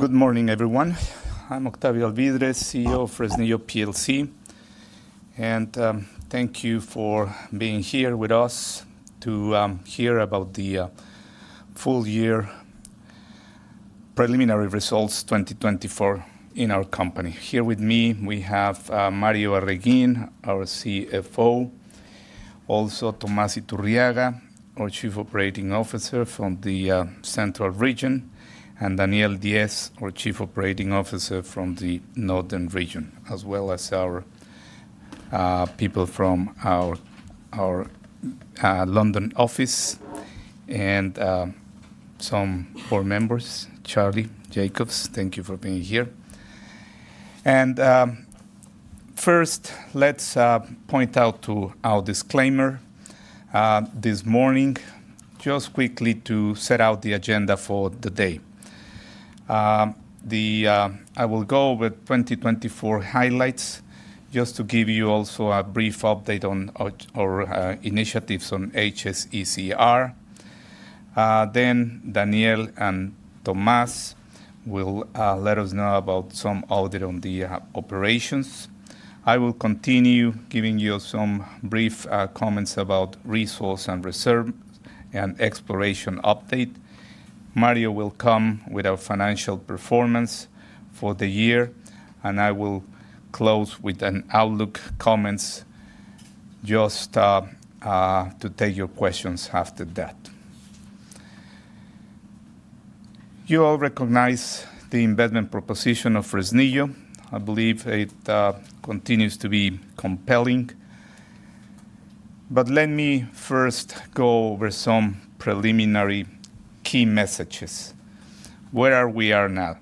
Good morning, everyone. I'm Octavio Alvídrez, CEO of Fresnillo plc, and thank you for being here with us to hear about the full-year preliminary results 2024 in our company. Here with me, we have Mario Arreguín, our CFO, also Tomás Iturriaga, our Chief Operating Officer from the Central Region, and Daniel Diez, our Chief Operating Officer from the Northern Region, as well as our people from our London office and some board members. Charlie Jacobs, thank you for being here, and first, let's point out to our disclaimer this morning, just quickly to set out the agenda for the day. I will go over 2024 highlights just to give you also a brief update on our initiatives on HSECR. Then Daniel and Tomás will let us know about some audit on the operations. I will continue giving you some brief comments about resource and reserve and exploration update. Mario will come with our financial performance for the year, and I will close with an outlook comments just to take your questions after that. You all recognize the investment proposition of Fresnillo. I believe it continues to be compelling, but let me first go over some preliminary key messages. Where are we now?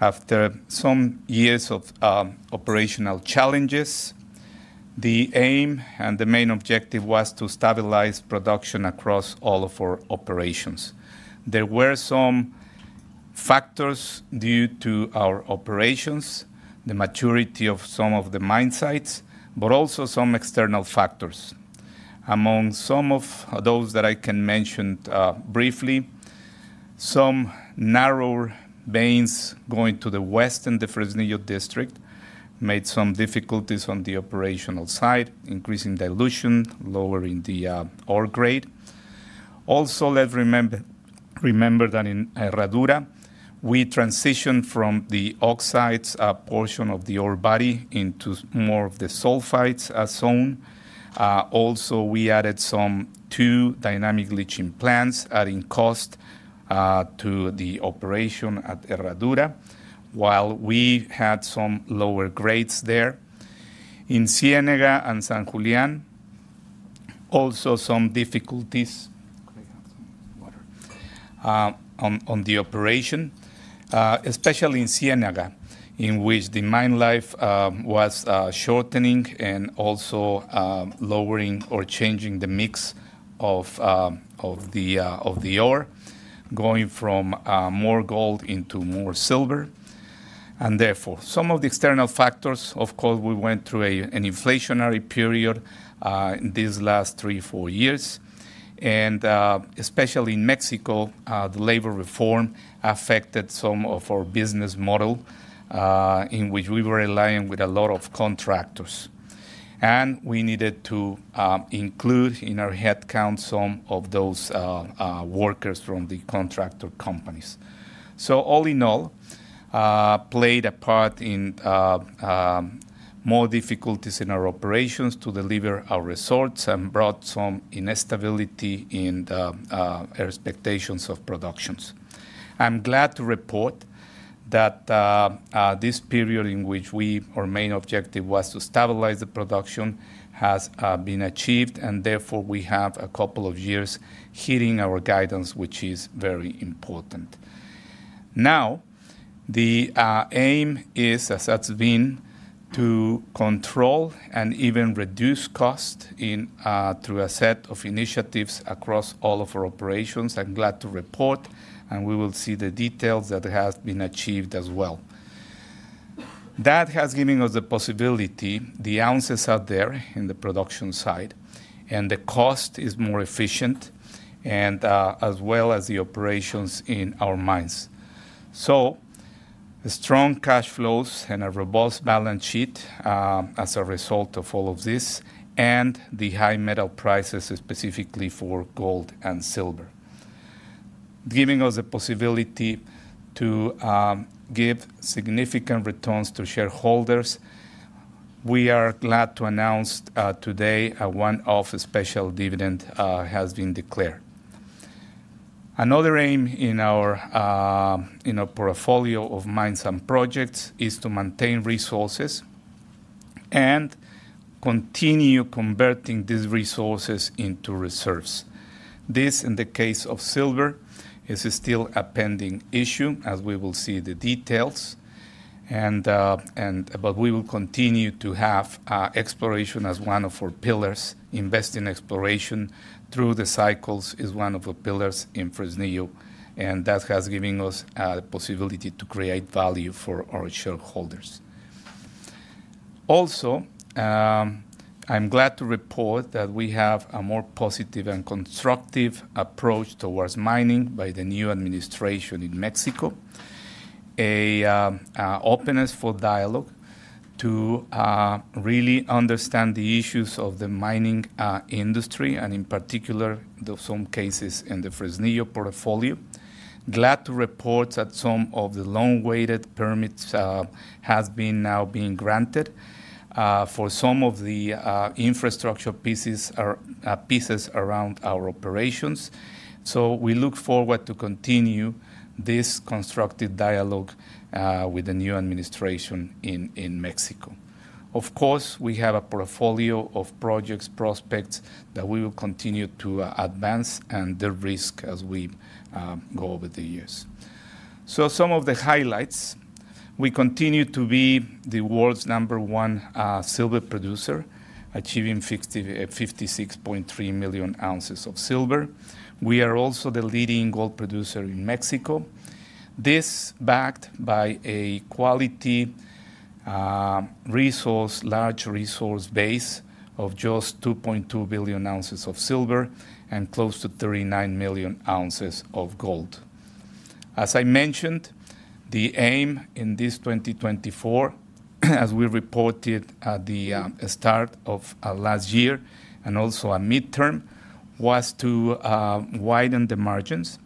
After some years of operational challenges, the aim and the main objective was to stabilize production across all of our operations. There were some factors due to our operations, the maturity of some of the mine sites, but also some external factors. Among some of those that I can mention briefly, some narrower veins going to the western Fresnillo District made some difficulties on the operational side, increasing dilution, lowering the ore grade. Also, let's remember that in Herradura, we transitioned from the oxides portion of the ore body into more of the sulfides zone. Also, we added some two dynamic leaching plants, adding cost to the operation at Herradura, while we had some lower grades there. In Ciénega and San Julián, also some difficulties on the operation, especially in Ciénega, in which the mine life was shortening and also lowering or changing the mix of the ore, going from more gold into more silver. And therefore, some of the external factors, of course, we went through an inflationary period these last three, four years. And especially in Mexico, the labor reform affected some of our business model in which we were relying with a lot of contractors. And we needed to include in our headcount some of those workers from the contractor companies. So all in all, played a part in more difficulties in our operations to deliver our results and brought some instability in the expectations of productions. I'm glad to report that this period in which our main objective was to stabilize the production has been achieved, and therefore we have a couple of years hitting our guidance, which is very important. Now, the aim is, as has been, to control and even reduce cost through a set of initiatives across all of our operations. I'm glad to report, and we will see the details that have been achieved as well. That has given us the possibility, the ounces are there in the production side, and the cost is more efficient, as well as the operations in our mines, so strong cash flows and a robust balance sheet as a result of all of this, and the high metal prices, specifically for gold and silver, giving us the possibility to give significant returns to shareholders. We are glad to announce today one of our special dividends has been declared. Another aim in our portfolio of mines and projects is to maintain resources and continue converting these resources into reserves. This, in the case of silver, is still a pending issue, as we will see the details, but we will continue to have exploration as one of our pillars. Investing in exploration through the cycles is one of our pillars in Fresnillo, and that has given us the possibility to create value for our shareholders. Also, I'm glad to report that we have a more positive and constructive approach towards mining by the new administration in Mexico, an openness for dialogue to really understand the issues of the mining industry, and in particular, some cases in the Fresnillo portfolio. Glad to report that some of the long-awaited permits have now been granted for some of the infrastructure pieces around our operations. So we look forward to continue this constructive dialogue with the new administration in Mexico. Of course, we have a portfolio of projects, prospects that we will continue to advance and the risk as we go over the years. So some of the highlights, we continue to be the world's number one silver producer, achieving 56.3 million ounces of silver. We are also the leading gold producer in Mexico, this backed by a quality resource, large resource base of just 2.2 billion ounces of silver and close to 39 million ounces of gold. As I mentioned, the aim in this 2024, as we reported at the start of last year and also midterm, was to widen the margins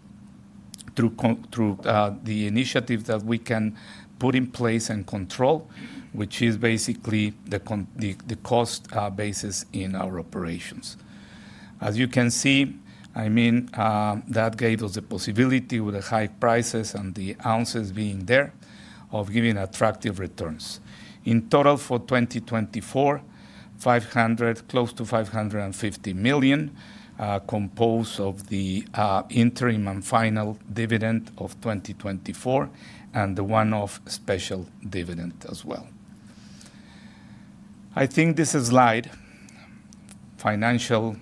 through the initiative that we can put in place and control, which is basically the cost basis in our operations. As you can see, I mean, that gave us the possibility with the high prices and the ounces being there of giving attractive returns. In total for 2024, close to $550 million composed of the interim and final dividend of 2024 and the one-off special dividend as well. I think this slide, financial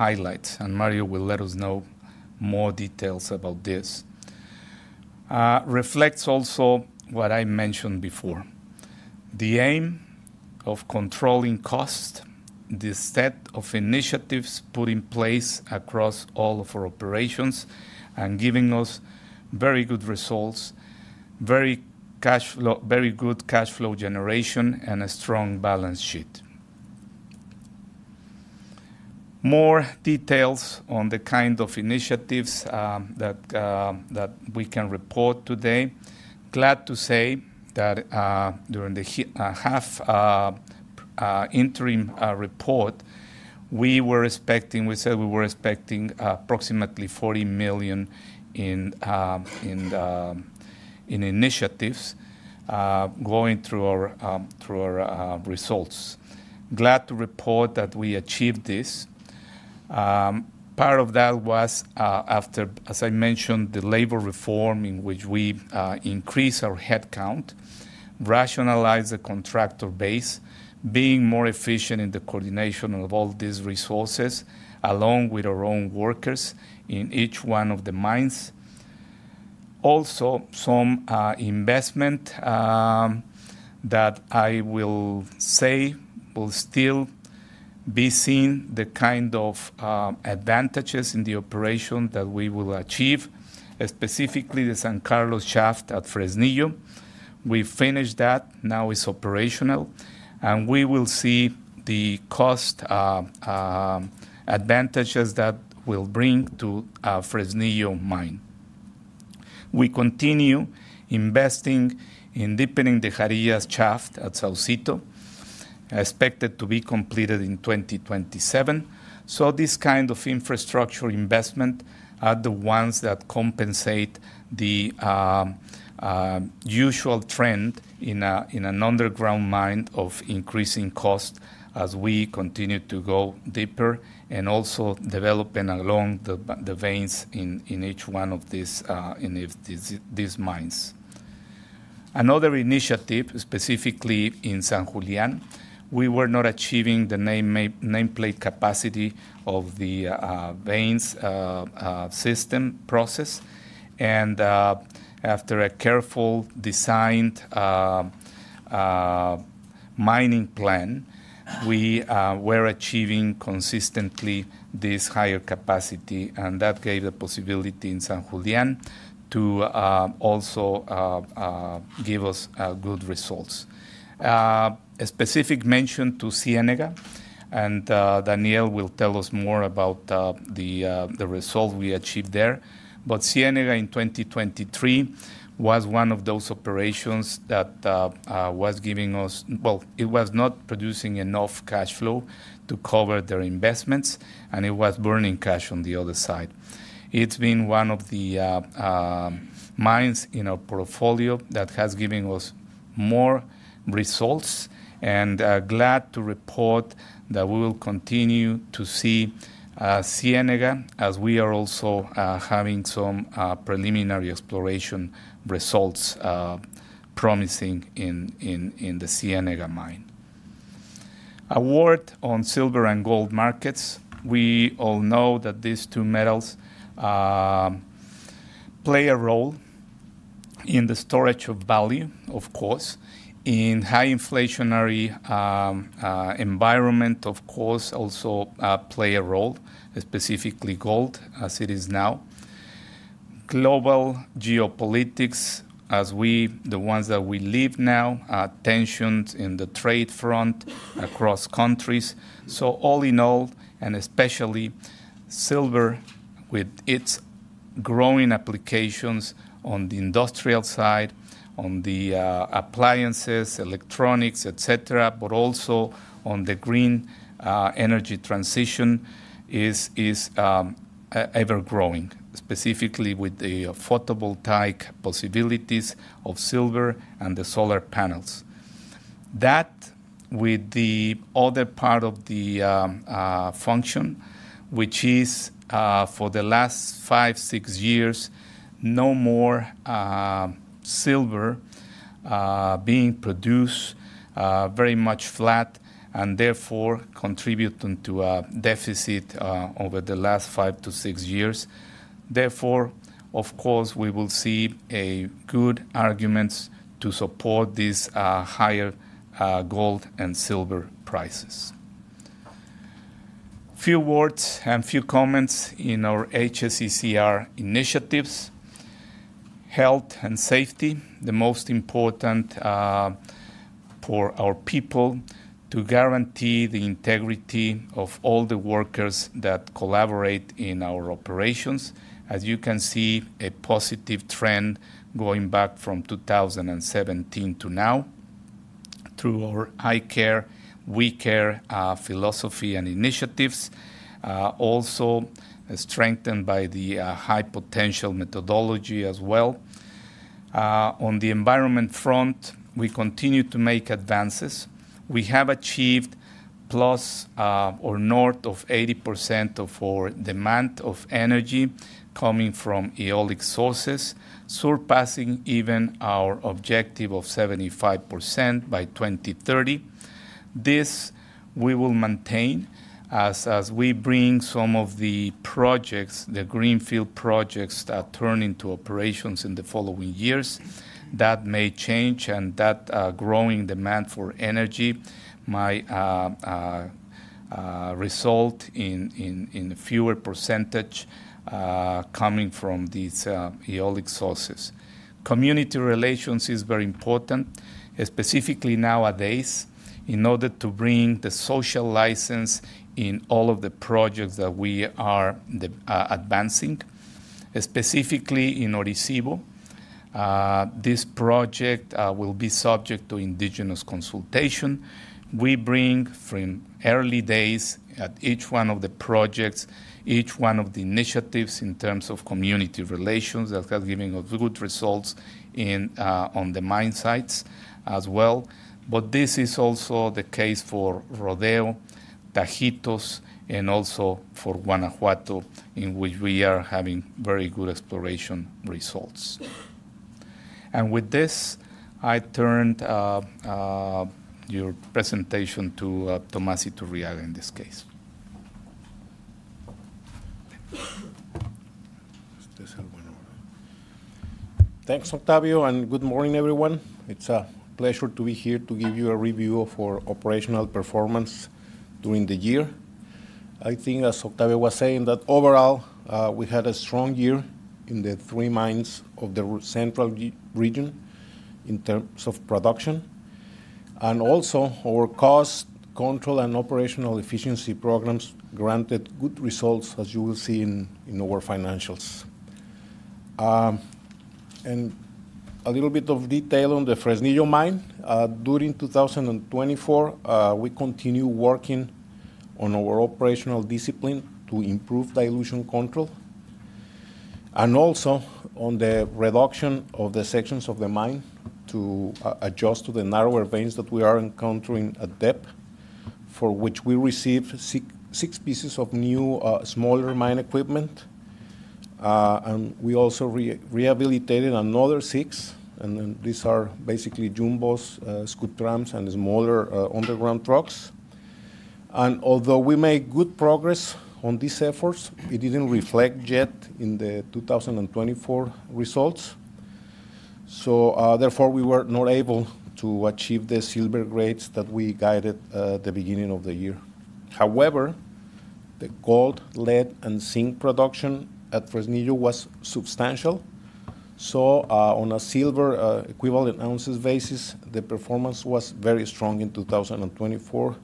highlights, and Mario will let us know more details about this, reflects also what I mentioned before. The aim of controlling cost, the set of initiatives put in place across all of our operations and giving us very good results, very good cash flow generation, and a strong balance sheet. More details on the kind of initiatives that we can report today. Glad to say that during the half interim report, we were expecting, we said we were expecting approximately $40 million in initiatives going through our results. Glad to report that we achieved this. Part of that was after, as I mentioned, the labor reform in which we increased our headcount, rationalized the contractor base, being more efficient in the coordination of all these resources along with our own workers in each one of the mines. Also, some investment that I will say will still be seeing the kind of advantages in the operation that we will achieve, specifically the San Carlos Shaft at Fresnillo. We finished that, now it's operational, and we will see the cost advantages that will bring to Fresnillo mine. We continue investing in deepening of the Jarillas Shaft at Saucito, expected to be completed in 2027. So this kind of infrastructure investment are the ones that compensate the usual trend in an underground mine of increasing cost as we continue to go deeper and also developing along the veins in each one of these mines. Another initiative, specifically in San Julián, we were not achieving the nameplate capacity of the veins system process. And after a carefully designed mining plan, we were achieving consistently this higher capacity, and that gave the possibility in San Julián to also give us good results. A specific mention to Ciénega, and Daniel will tell us more about the result we achieved there. But Ciénega in 2023 was one of those operations that was giving us, well, it was not producing enough cash flow to cover their investments, and it was burning cash on the other side. It's been one of the mines in our portfolio that has given us more results, and glad to report that we will continue to see Ciénega as we are also having some preliminary exploration results promising in the Ciénega mine. A word on silver and gold markets. We all know that these two metals play a role in the storage of value, of course. In high inflationary environment, of course, also play a role, specifically gold as it is now. Global geopolitics, as we, the ones that we live now, are tensioned in the trade front across countries. So all in all, and especially silver with its growing applications on the industrial side, on the appliances, electronics, etc., but also on the green energy transition, which is ever growing, specifically with the photovoltaic possibilities of silver and the solar panels. That, with the other part of the function, which is for the last five, six years, no more silver being produced, very much flat, and therefore contributing to a deficit over the last five to six years. Therefore, of course, we will see good arguments to support these higher gold and silver prices. Few words and few comments on our HSECR initiatives. Health and safety, the most important for our people to guarantee the integrity of all the workers that collaborate in our operations. As you can see, a positive trend going back from 2017 to now through our I Care We Care philosophy and initiatives, also strengthened by the high potential methodology as well. On the environment front, we continue to make advances. We have achieved plus or north of 80% of our demand of energy coming from eolic sources, surpassing even our objective of 75% by 2030. This we will maintain as we bring some of the projects, the greenfield projects that turn into operations in the following years. That may change, and that growing demand for energy might result in fewer percentage coming from these eolic sources. Community relations is very important, specifically nowadays, in order to bring the social license in all of the projects that we are advancing, specifically in Orisyvo. This project will be subject to indigenous consultation. We bring from early days at each one of the projects, each one of the initiatives in terms of community relations that has given us good results on the mine sites as well, but this is also the case for Rodeo, Tajitos, and also for Guanajuato, in which we are having very good exploration results. With this, I turn your presentation to Tomás Iturriaga in this case. Thanks, Octavio, and good morning, everyone. It's a pleasure to be here to give you a review of our operational performance during the year. I think, as Octavio was saying, that overall we had a strong year in the three mines of the Central Region in terms of production, and also, our cost control and operational efficiency programs granted good results, as you will see in our financials, and a little bit of detail on the Fresnillo mine. During 2024, we continue working on our operational discipline to improve dilution control and also on the reduction of the sections of the mine to adjust to the narrower veins that we are encountering at depth, for which we received six pieces of new smaller mine equipment, and we also rehabilitated another six, and these are basically jumbos, Scooptrams, and smaller underground trucks, and although we made good progress on these efforts, it didn't reflect yet in the 2024 results, so therefore, we were not able to achieve the silver grades that we guided at the beginning of the year. However, the gold, lead, and zinc production at Fresnillo was substantial, so on a silver equivalent ounces basis, the performance was very strong in 2024,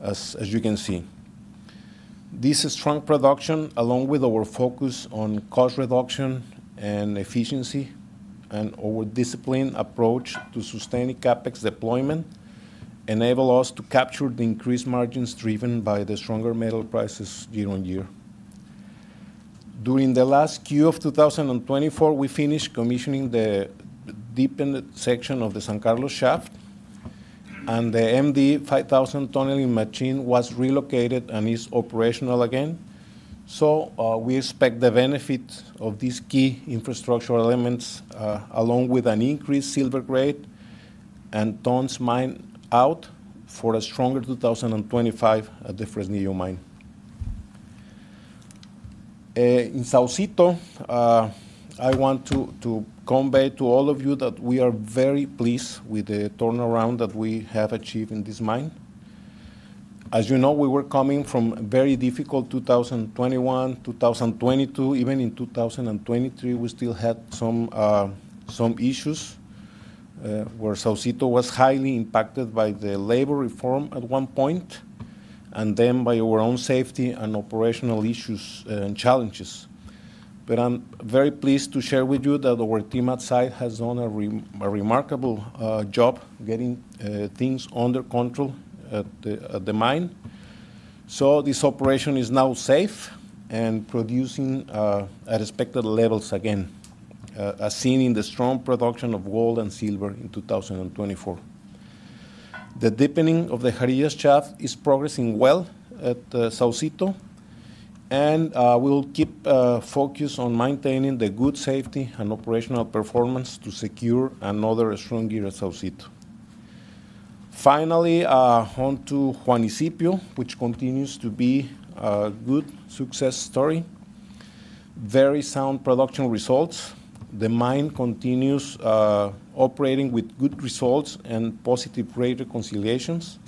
as you can see. This strong production, along with our focus on cost reduction and efficiency and our disciplined approach to sustaining CapEx deployment, enabled us to capture the increased margins driven by the stronger metal prices year on year. During the last Quarter of 2024, we finished commissioning the deepened section of the San Carlos Shaft, and the MD 5000 tunneling machine was relocated and is operational again, so we expect the benefit of these key infrastructure elements along with an increased silver grade and tons mined out for a stronger 2025 at the Fresnillo mine. In Saucito, I want to convey to all of you that we are very pleased with the turnaround that we have achieved in this mine. As you know, we were coming from a very difficult 2021, 2022, even in 2023, we still had some issues where Saucito was highly impacted by the labor reform at one point and then by our own safety and operational issues and challenges. But I'm very pleased to share with you that our team outside has done a remarkable job getting things under control at the mine. So this operation is now safe and producing at expected levels again, as seen in the strong production of gold and silver in 2024. The deepening of the Jarillas Shaft is progressing well at Saucito, and we will keep focus on maintaining the good safety and operational performance to secure another strong year at Saucito. Finally, on to Juanicipio, which continues to be a good success story. Very sound production results. The mine continues operating with good results and positive rate reconciliations,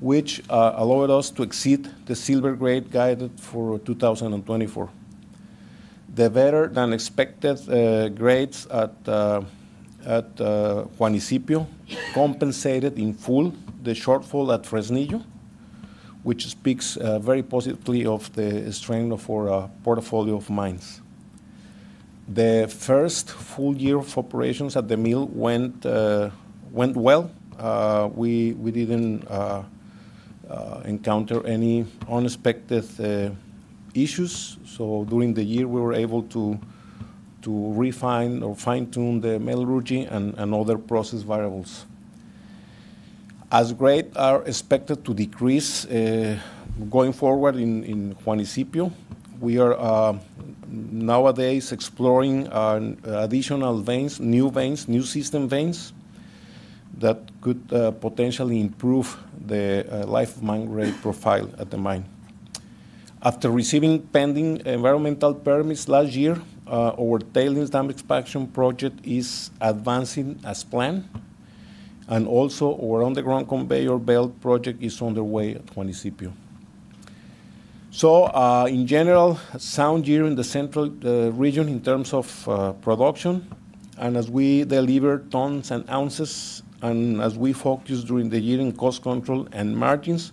which allowed us to exceed the silver grade guided for 2024. The better than expected grades at Juanicipio compensated in full the shortfall at Fresnillo, which speaks very positively of the strength of our portfolio of mines. The first full year of operations at the mill went well. We didn't encounter any unexpected issues, so during the year, we were able to refine or fine-tune the metal recovery and other process variables. As grades are expected to decrease going forward in Juanicipio, we are nowadays exploring additional veins, new veins, new system veins that could potentially improve the life-of-mine grade profile at the mine. After receiving pending environmental permits last year, our tailings dam expansion project is advancing as planned, and also our underground conveyor belt project is underway at Juanicipio. it was a sound year in the Central Region in terms of production, and as we deliver tons and ounces, and as we focus during the year on cost control and margins,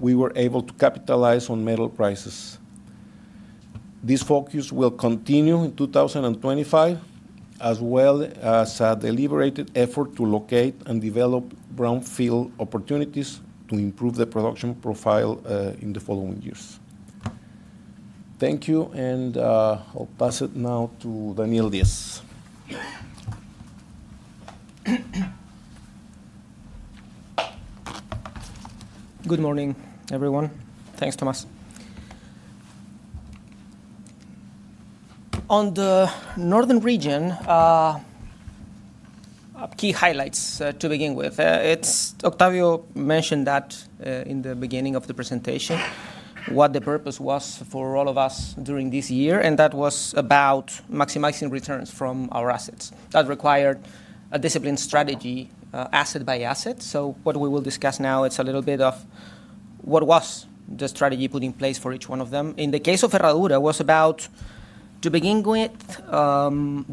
we were able to capitalize on metal prices. This focus will continue in 2025, as well as a deliberate effort to locate and develop brownfield opportunities to improve the production profile in the following years. Thank you, and I'll pass it now to Daniel Diez. Good morning, everyone. Thanks, Tomás. On the Northern Region, key highlights to begin with. As Octavio mentioned at the beginning of the presentation, the purpose was for all of us during this year, and that was about maximizing returns from our assets. That required a disciplined strategy, asset by asset. So what we will discuss now, it's a little bit of what was the strategy put in place for each one of them. In the case of Herradura, it was about to begin with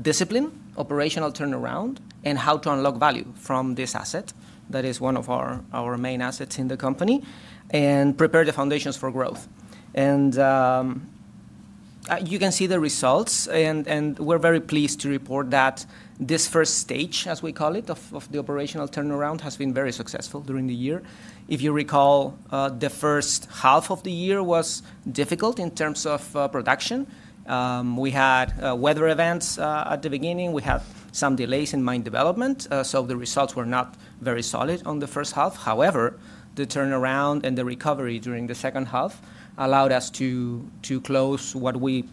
discipline, operational turnaround, and how to unlock value from this asset that is one of our main assets in the company, and prepare the foundations for growth, and you can see the results, and we're very pleased to report that this first stage, as we call it, of the operational turnaround has been very successful during the year. If you recall, the first half of the year was difficult in terms of production. We had weather events at the beginning. We had some delays in mine development, so the results were not very solid on the first half. However, the turnaround and the recovery during the second half allowed us to close what we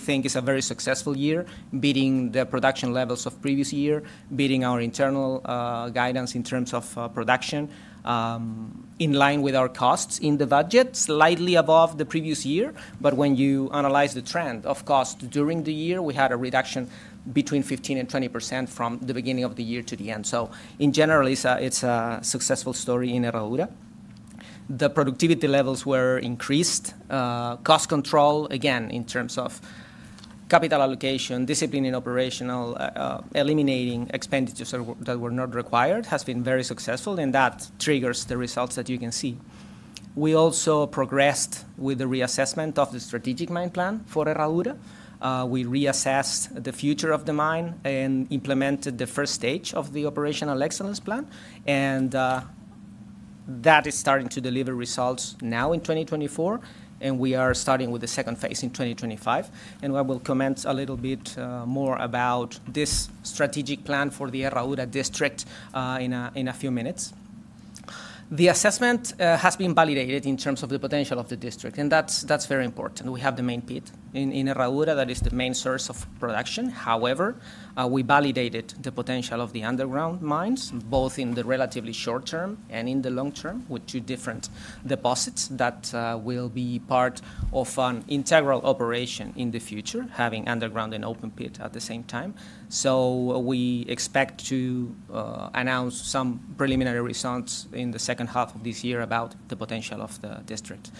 think is a very successful year, beating the production levels of previous year, beating our internal guidance in terms of production in line with our costs in the budget, slightly above the previous year. But when you analyze the trend of costs during the year, we had a reduction between 15% and 20% from the beginning of the year to the end. So in general, it's a successful story in Herradura. The productivity levels were increased. Cost control, again, in terms of capital allocation, disciplining operational, eliminating expenditures that were not required, has been very successful, and that triggers the results that you can see. We also progressed with the reassessment of the strategic mine plan for Herradura. We reassessed the future of the mine and implemented the first stage of the operational excellence plan, and that is starting to deliver results now in 2024, and we are starting with the second phase in 2025. And I will comment a little bit more about this strategic plan for the Herradura district in a few minutes. The assessment has been validated in terms of the potential of the district, and that's very important. We have the main pit in Herradura that is the main source of production. However, we validated the potential of the underground mines, both in the relatively short term and in the long term, with two different deposits that will be part of an integral operation in the future, having underground and open pit at the same time. We expect to announce some preliminary results in the second half of this year about the potential of the district.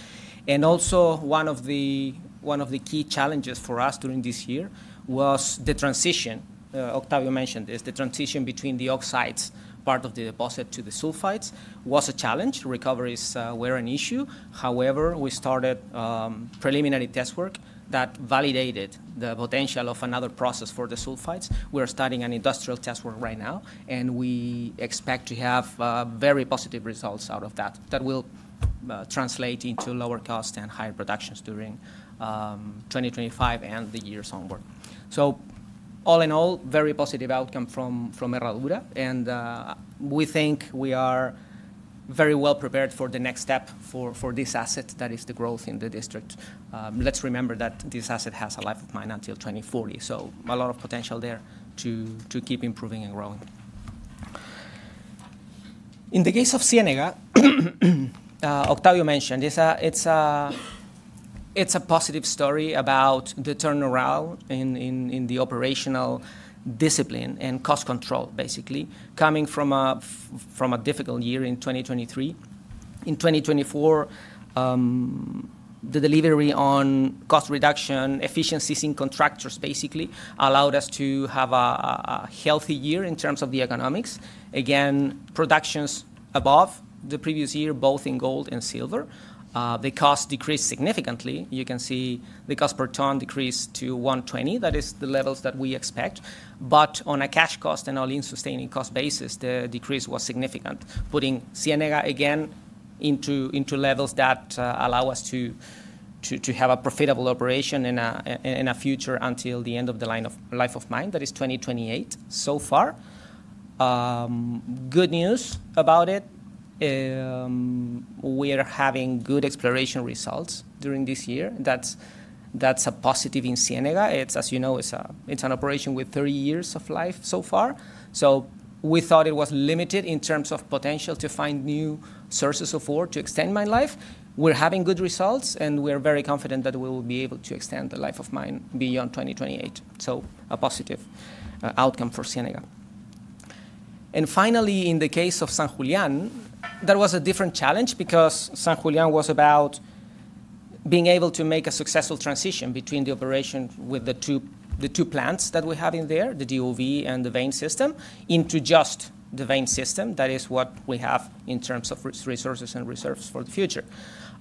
One of the key challenges for us during this year was the transition. Octavio mentioned this. The transition between the oxides part of the deposit to the sulfides was a challenge. Recovery is an issue. However, we started preliminary test work that validated the potential of another process for the sulfides. We are starting an industrial test work right now, and we expect to have very positive results out of that that will translate into lower costs and higher productions during 2025 and the years onward. All in all, very positive outcome from Herradura, and we think we are very well prepared for the next step for this asset that is the growth in the district. Let's remember that this asset has a life of mine until 2040, so a lot of potential there to keep improving and growing. In the case of Ciénega, Octavio mentioned, it's a positive story about the turnaround in the operational discipline and cost control, basically, coming from a difficult year in 2023. In 2024, the delivery on cost reduction efficiencies in contractors, basically, allowed us to have a healthy year in terms of the economics. Again, productions above the previous year, both in gold and silver. The cost decreased significantly. You can see the cost per ton decreased to 120. That is the levels that we expect. But on a cash cost and all-in sustaining cost basis, the decrease was significant, putting Ciénega again into levels that allow us to have a profitable operation in a future until the end of the life of mine. That is 2028 so far. Good news about it. We are having good exploration results during this year. That's a positive in Ciénega. As you know, it's an operation with 30 years of life so far. So we thought it was limited in terms of potential to find new sources of ore to extend mine life. We're having good results, and we're very confident that we will be able to extend the life of mine beyond 2028. So a positive outcome for Ciénega. And finally, in the case of San Julián, that was a different challenge because San Julián was about being able to make a successful transition between the operation with the two plants that we have in there, the DOB and the vein system, into just the vein system. That is what we have in terms of resources and reserves for the future.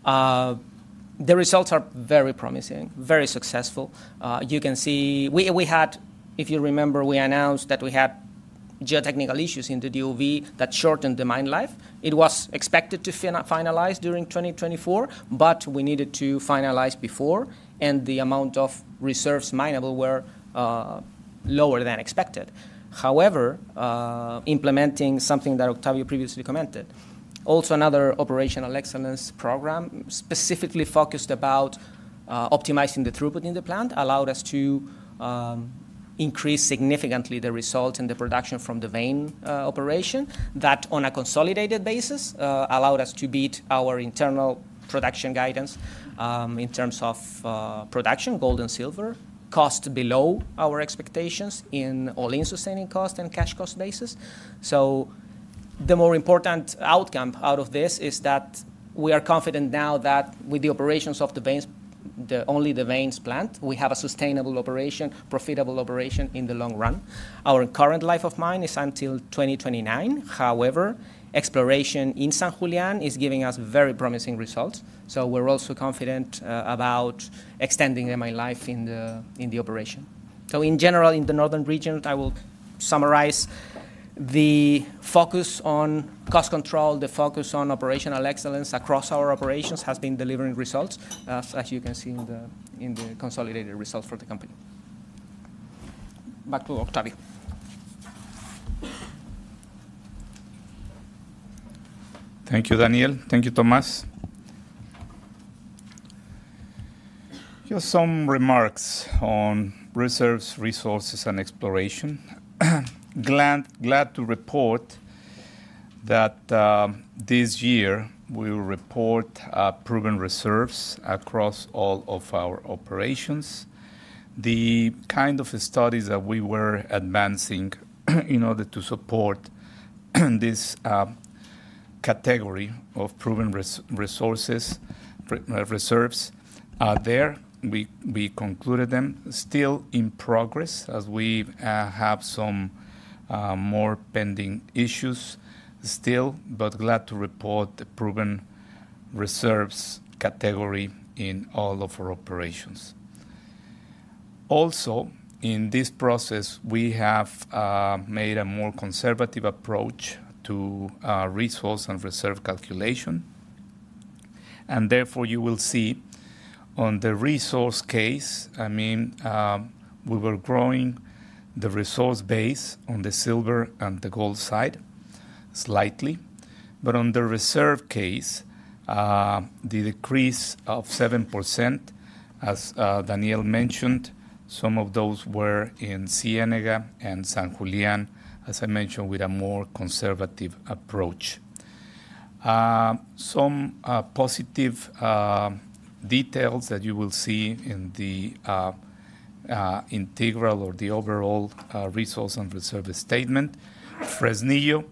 The results are very promising, very successful. You can see we had, if you remember, we announced that we had geotechnical issues in the DOB that shortened the mine life. It was expected to finalize during 2024, but we needed to finalize before, and the amount of reserves minable were lower than expected. However, implementing something that Octavio previously commented, also another operational excellence program specifically focused about optimizing the throughput in the plant, allowed us to increase significantly the results and the production from the vein operation that, on a consolidated basis, allowed us to beat our internal production guidance in terms of production, gold and silver, cost below our expectations in all-in sustaining costs and cash cost basis, so the more important outcome out of this is that we are confident now that with the operations of the veins, only the veins plant, we have a sustainable operation, profitable operation in the long run. Our current life of mine is until 2029. However, exploration in San Julián is giving us very promising results. So we're also confident about extending the mine life in the operation. So in general, in the Northern Region, I will summarize the focus on cost control, the focus on operational excellence across our operations has been delivering results, as you can see in the consolidated results for the company. Back to Octavio. Thank you, Daniel. Thank you, Tomás. Just some remarks on reserves, resources, and exploration. Glad to report that this year we will report proven reserves across all of our operations. The kind of studies that we were advancing in order to support this category of proven resources reserves are there. We concluded them. Still in progress as we have some more pending issues still, but glad to report the proven reserves category in all of our operations. Also, in this process, we have made a more conservative approach to resource and reserve calculation. And therefore, you will see on the resource case, I mean, we were growing the resource base on the silver and the gold side slightly. But on the reserve case, the decrease of 7%, as Daniel mentioned, some of those were in Ciénega and San Julián, as I mentioned, with a more conservative approach. Some positive details that you will see in the integral or the overall resource and reserve statement, Fresnillo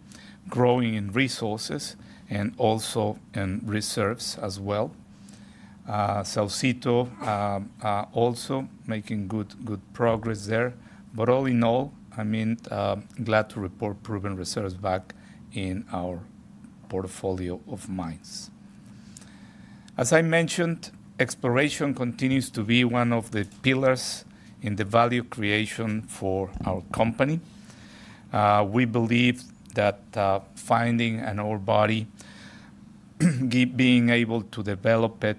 growing in resources and also in reserves as well. Saucito also making good progress there. But all in all, I mean, glad to report proven reserves back in our portfolio of mines. As I mentioned, exploration continues to be one of the pillars in the value creation for our company. We believe that finding an ore body, being able to develop it,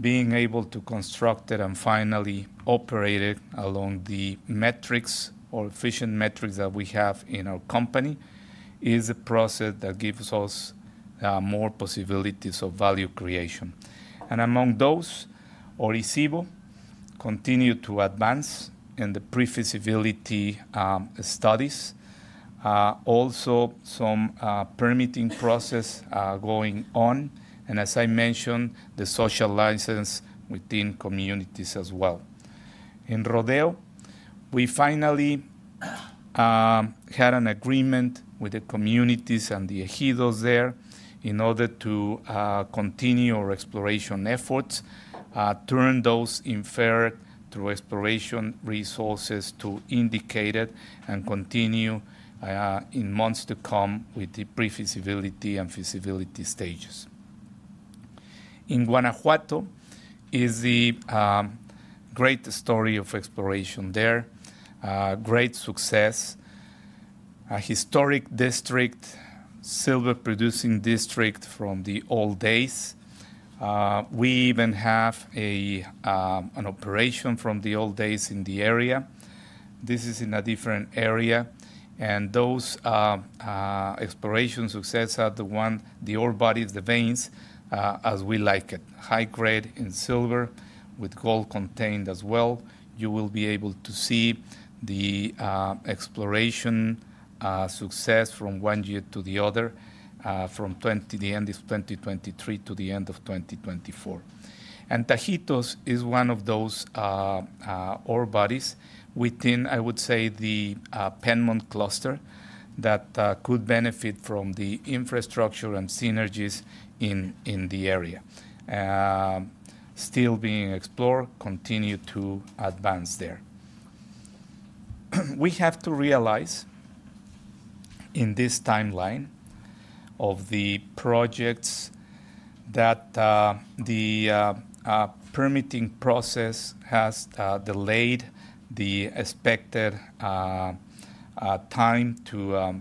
being able to construct it, and finally operate it along the metrics or efficient metrics that we have in our company is a process that gives us more possibilities of value creation. And among those, Orisyvo continued to advance in the pre-feasibility studies, also some permitting process going on, and as I mentioned, the social license within communities as well. In Rodeo, we finally had an agreement with the communities and the ejidos there in order to continue our exploration efforts, turn those inferred through exploration resources to indicated and continue in months to come with the pre-feasibility and feasibility stages. In Guanajuato is the great story of exploration there, great success, a historic district, silver-producing district from the old days. We even have an operation from the old days in the area. This is in a different area. And those exploration success are the ore bodies, the veins, as we like it, high-grade in silver with gold contained as well. You will be able to see the exploration success from one year to the other, from the end of 2023 to the end of 2024. And Tajitos is one of those ore bodies within, I would say, the Penmont Cluster that could benefit from the infrastructure and synergies in the area, still being explored, continue to advance there. We have to realize in this timeline of the projects that the permitting process has delayed the expected time to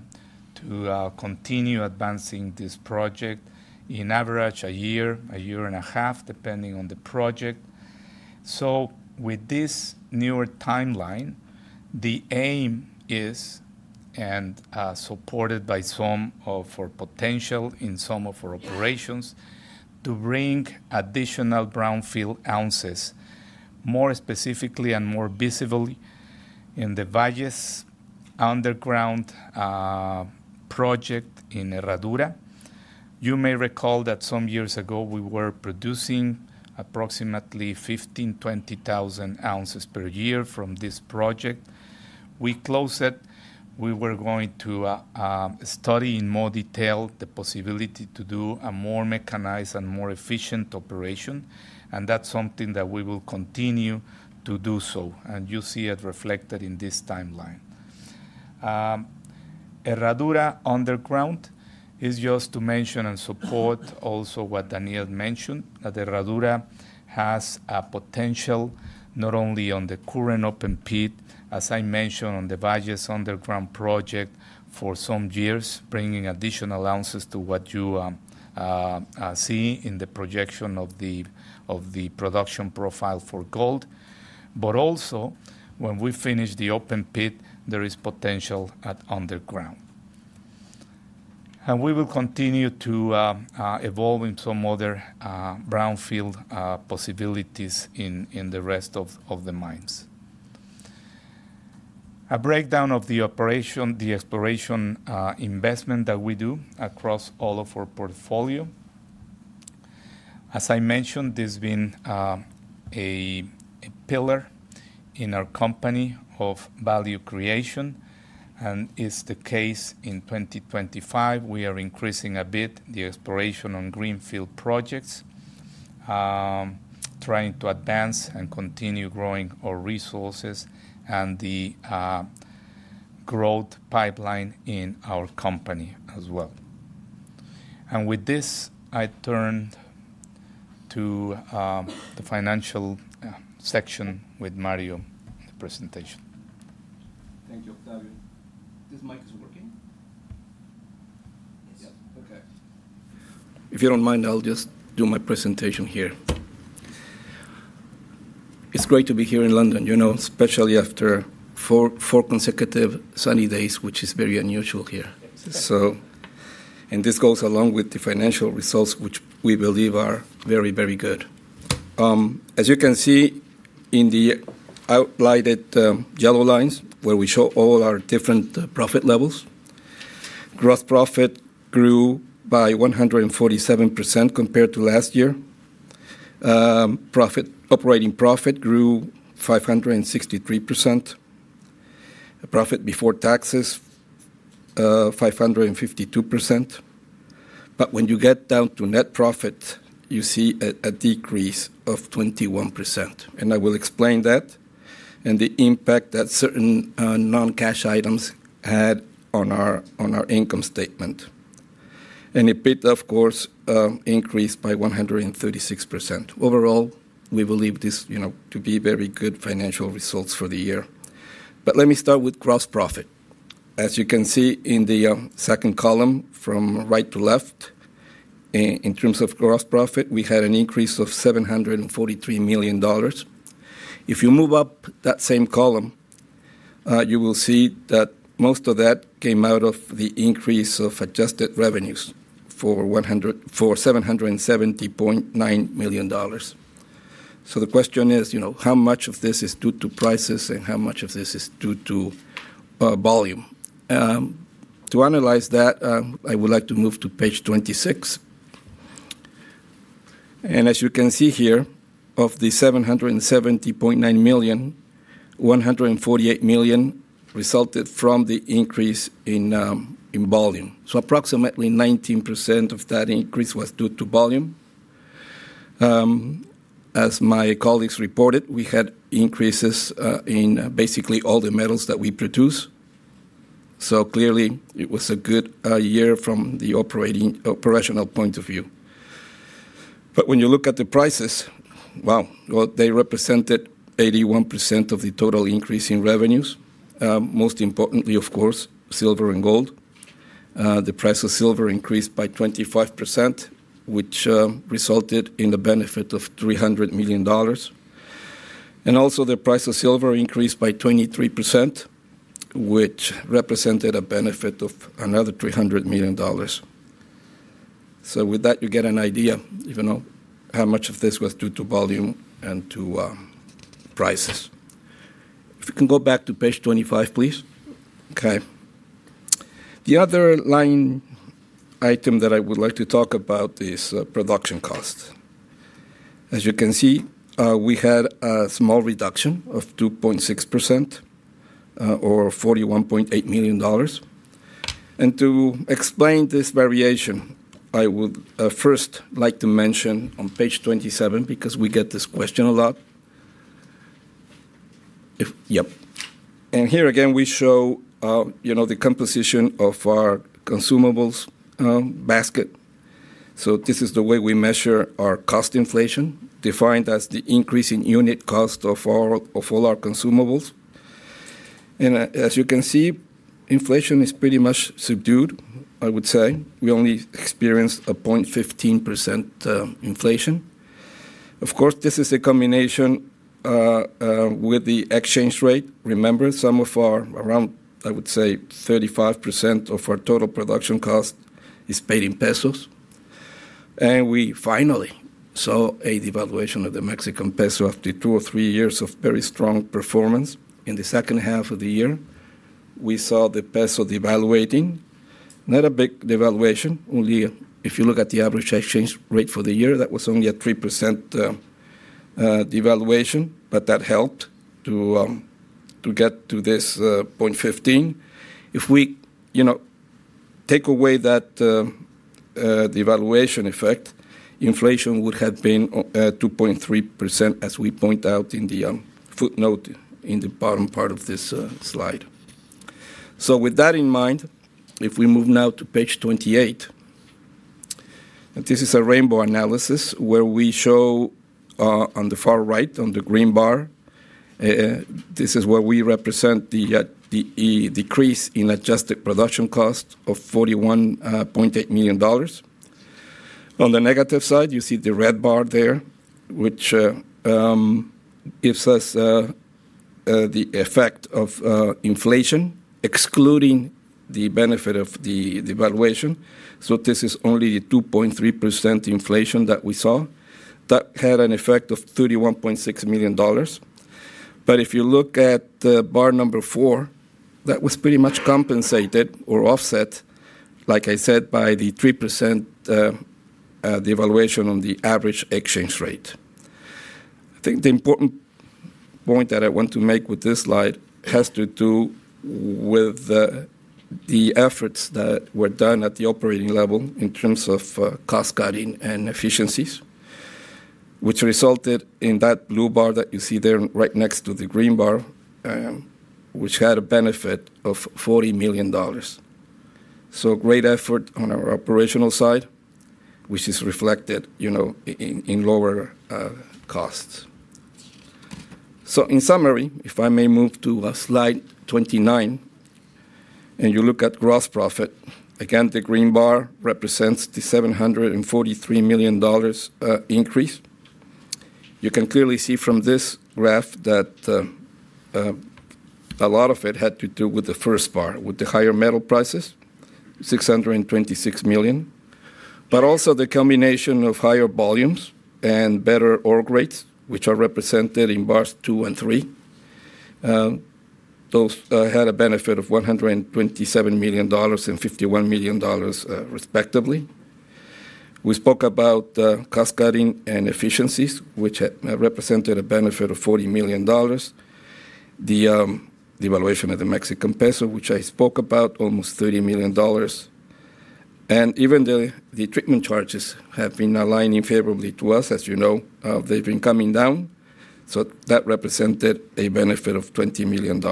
continue advancing this project in average a year, a year and a half, depending on the project. With this newer timeline, the aim is, and supported by some of our potential in some of our operations, to bring additional brownfield ounces, more specifically and more visibly in the Valles underground project in Herradura. You may recall that some years ago we were producing approximately 15,000-20,000 ounces per year from this project. We closed it. We were going to study in more detail the possibility to do a more mechanized and more efficient operation. That's something that we will continue to do so. You see it reflected in this timeline. Herradura underground is just to mention and support also what Daniel mentioned, that Herradura has a potential not only on the current open pit, as I mentioned on the Valles underground project for some years, bringing additional ounces to what you see in the projection of the production profile for gold. But also, when we finish the open pit, there is potential at underground. We will continue to evolve in some other brownfield possibilities in the rest of the mines. A breakdown of the operation, the exploration investment that we do across all of our portfolio. As I mentioned, this has been a pillar in our company of value creation. It's the case in 2025. We are increasing a bit the exploration on greenfield projects, trying to advance and continue growing our resources and the growth pipeline in our company as well. With this, I turn to the financial section with Mario in the presentation. Thank you, Octavio. This mic is working? Yes. Okay. If you don't mind, I'll just do my presentation here. It's great to be here in London, especially after four consecutive sunny days, which is very unusual here. This goes along with the financial results, which we believe are very, very good. As you can see in the outlined yellow lines where we show all our different profit levels, gross profit grew by 147% compared to last year. Operating profit grew 563%. Profit before taxes, 552%. But when you get down to net profit, you see a decrease of 21%. I will explain that and the impact that certain non-cash items had on our income statement. It did, of course, increase by 136%. Overall, we believe this to be very good financial results for the year. Let me start with gross profit. As you can see in the second column from right to left, in terms of gross profit, we had an increase of $743 million. If you move up that same column, you will see that most of that came out of the increase of adjusted revenues for $770.9 million. So the question is, how much of this is due to prices and how much of this is due to volume? To analyze that, I would like to move to page 26. And as you can see here, of the $770.9 million, $148 million resulted from the increase in volume. So approximately 19% of that increase was due to volume. As my colleagues reported, we had increases in basically all the metals that we produce. So clearly, it was a good year from the operational point of view. But when you look at the prices, wow, they represented 81% of the total increase in revenues. Most importantly, of course, silver and gold. The price of silver increased by 25%, which resulted in the benefit of $300 million, and also, the price of silver increased by 23%, which represented a benefit of another $300 million, so with that, you get an idea how much of this was due to volume and to prices. If you can go back to page 25, please. Okay. The other line item that I would like to talk about is production costs. As you can see, we had a small reduction of 2.6% or $41.8 million, and to explain this variation, I would first like to mention on page 27 because we get this question a lot. Yep, and here again, we show the composition of our consumables basket, so this is the way we measure our cost inflation, defined as the increase in unit cost of all our consumables. As you can see, inflation is pretty much subdued, I would say. We only experienced a 0.15% inflation. Of course, this is a combination with the exchange rate. Remember, some of our around, I would say, 35% of our total production cost is paid in pesos. We finally saw a devaluation of the Mexican peso after two or three years of very strong performance. In the second half of the year, we saw the peso devaluating. Not a big devaluation. Only if you look at the average exchange rate for the year, that was only a 3% devaluation, but that helped to get to this 0.15. If we take away that devaluation effect, inflation would have been 2.3%, as we point out in the footnote in the bottom part of this slide. With that in mind, if we move now to page 28, this is a rainbow analysis where we show on the far right, on the green bar, this is where we represent the decrease in adjusted production cost of $41.8 million. On the negative side, you see the red bar there, which gives us the effect of inflation, excluding the benefit of the devaluation. This is only the 2.3% inflation that we saw. That had an effect of $31.6 million. But if you look at bar number four, that was pretty much compensated or offset, like I said, by the 3% devaluation on the average exchange rate. I think the important point that I want to make with this slide has to do with the efforts that were done at the operating level in terms of cost cutting and efficiencies, which resulted in that blue bar that you see there right next to the green bar, which had a benefit of $40 million. So great effort on our operational side, which is reflected in lower costs. So in summary, if I may move to slide 29, and you look at gross profit, again, the green bar represents the $743 million increase. You can clearly see from this graph that a lot of it had to do with the first bar, with the higher metal prices, $626 million. But also the combination of higher volumes and better ore grades, which are represented in bars two and three, those had a benefit of $127 million and $51 million, respectively. We spoke about cost cutting and efficiencies, which represented a benefit of $40 million. The devaluation of the Mexican peso, which I spoke about, almost $30 million. And even the treatment charges have been aligning favorably to us, as you know. They've been coming down. So that represented a benefit of $20 million.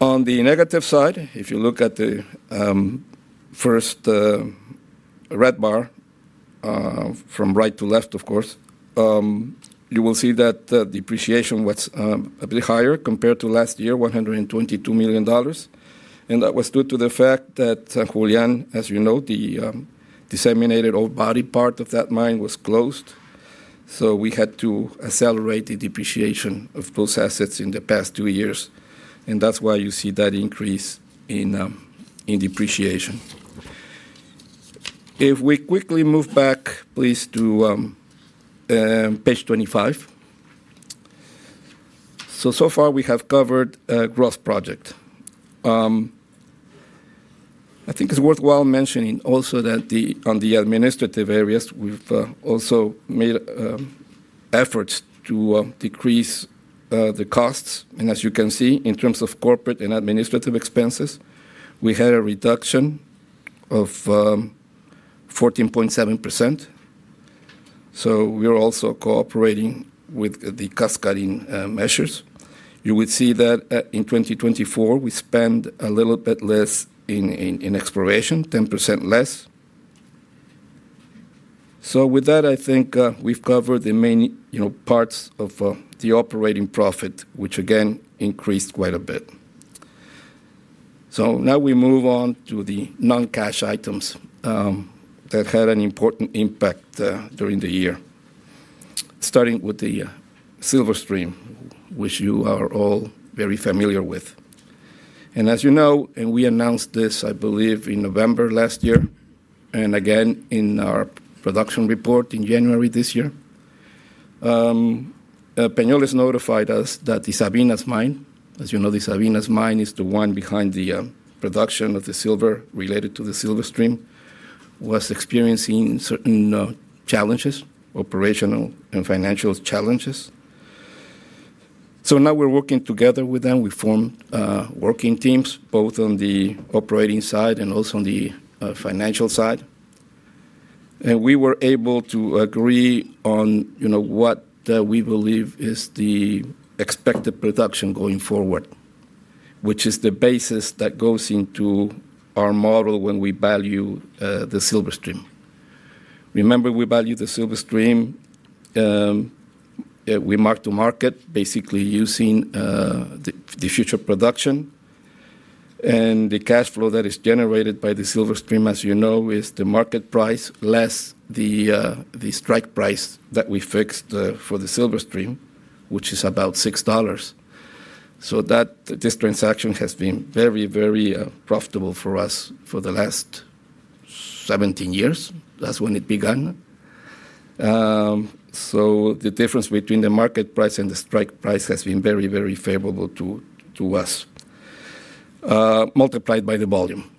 On the negative side, if you look at the first red bar from right to left, of course, you will see that depreciation was a bit higher compared to last year, $122 million. And that was due to the fact that San Julián, as you know, the disseminated ore body part of that mine was closed. So we had to accelerate the depreciation of those assets in the past two years. And that's why you see that increase in depreciation. If we quickly move back, please, to page 25. So far, we have covered gross profit. I think it's worthwhile mentioning also that on the administrative areas, we've also made efforts to decrease the costs, and as you can see, in terms of corporate and administrative expenses, we had a reduction of 14.7%, so we are also cooperating with the cost cutting measures. You would see that in 2024, we spend a little bit less in exploration, 10% less, so with that, I think we've covered the main parts of the operating profit, which again increased quite a bit, so now we move on to the non-cash items that had an important impact during the year, starting with the silver stream, which you are all very familiar with. As you know, and we announced this, I believe, in November last year, and again in our production report in January this year, Peñoles notified us that the Sabinas mine, as you know, the Sabinas mine is the one behind the production of the silver related to the Silverstream, was experiencing certain challenges, operational and financial challenges. So now we're working together with them. We formed working teams, both on the operating side and also on the financial side. And we were able to agree on what we believe is the expected production going forward, which is the basis that goes into our model when we value the Silverstream. Remember, we value the Silverstream. We mark to market, basically using the future production. And the cash flow that is generated by the Silverstream, as you know, is the market price less the strike price that we fixed for the Silverstream, which is about $6. So this transaction has been very, very profitable for us for the last 17 years. That's when it began. So the difference between the market price and the strike price has been very, very favorable to us, multiplied by the volume.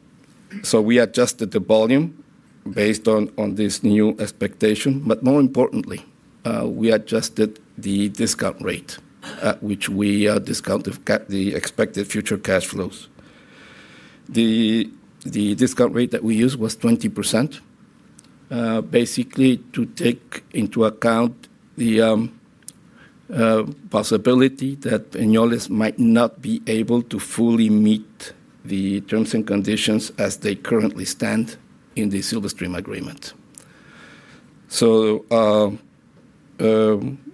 So we adjusted the volume based on this new expectation. But more importantly, we adjusted the discount rate, which we discounted the expected future cash flows. The discount rate that we used was 20%, basically to take into account the possibility that Peñoles might not be able to fully meet the terms and conditions as they currently stand in the Silverstream agreement. So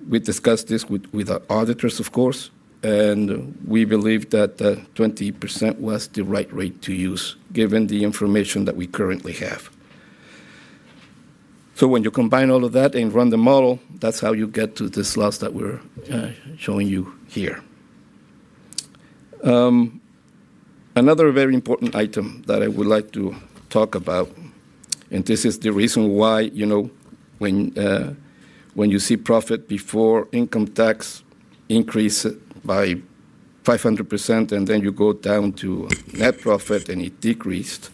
we discussed this with our auditors, of course. We believe that 20% was the right rate to use, given the information that we currently have. When you combine all of that and run the model, that's how you get to this loss that we're showing you here. Another very important item that I would like to talk about, and this is the reason why when you see profit before income tax increased by 500%, and then you go down to net profit and it decreased,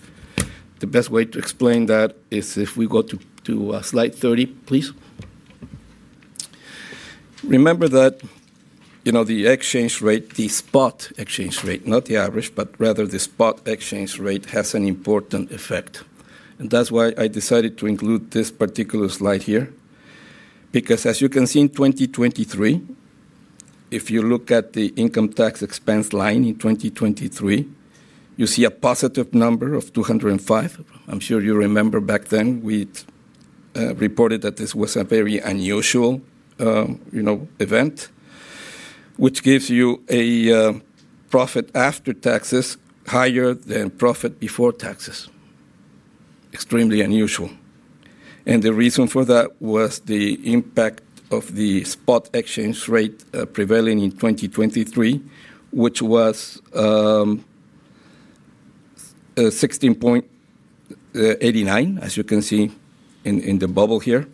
the best way to explain that is if we go to slide 30, please. Remember that the exchange rate, the spot exchange rate, not the average, but rather the spot exchange rate has an important effect. That's why I decided to include this particular slide here. Because as you can see in 2023, if you look at the income tax expense line in 2023, you see a positive number of $205 million. I'm sure you remember back then we reported that this was a very unusual event, which gives you a profit after taxes higher than profit before taxes. Extremely unusual. And the reason for that was the impact of the spot exchange rate prevailing in 2023, which was 16.89, as you can see in the bubble here.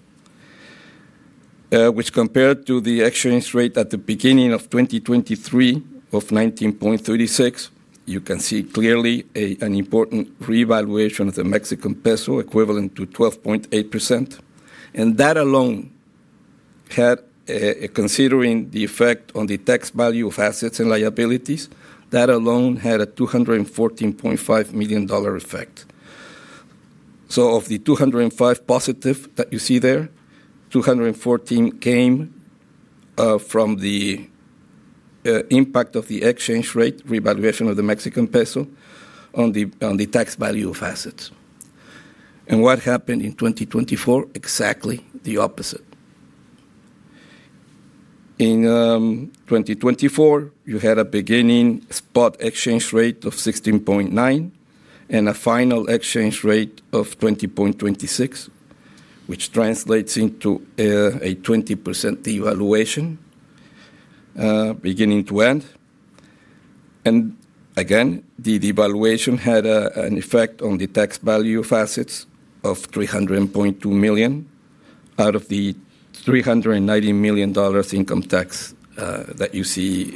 Which compared to the exchange rate at the beginning of 2023 of 19.36, you can see clearly an important revaluation of the Mexican peso equivalent to 12.8%. And that alone had, considering the effect on the tax value of assets and liabilities, that alone had a $214.5 million effect. Of the 205 positive that you see there, 214 came from the impact of the exchange rate reevaluation of the Mexican peso on the tax value of assets. And what happened in 2024? Exactly the opposite. In 2024, you had a beginning spot exchange rate of 16.9 and a final exchange rate of 20.26, which translates into a 20% devaluation beginning to end. And again, the devaluation had an effect on the tax value of assets of $300.2 million out of the $390 million income tax that you see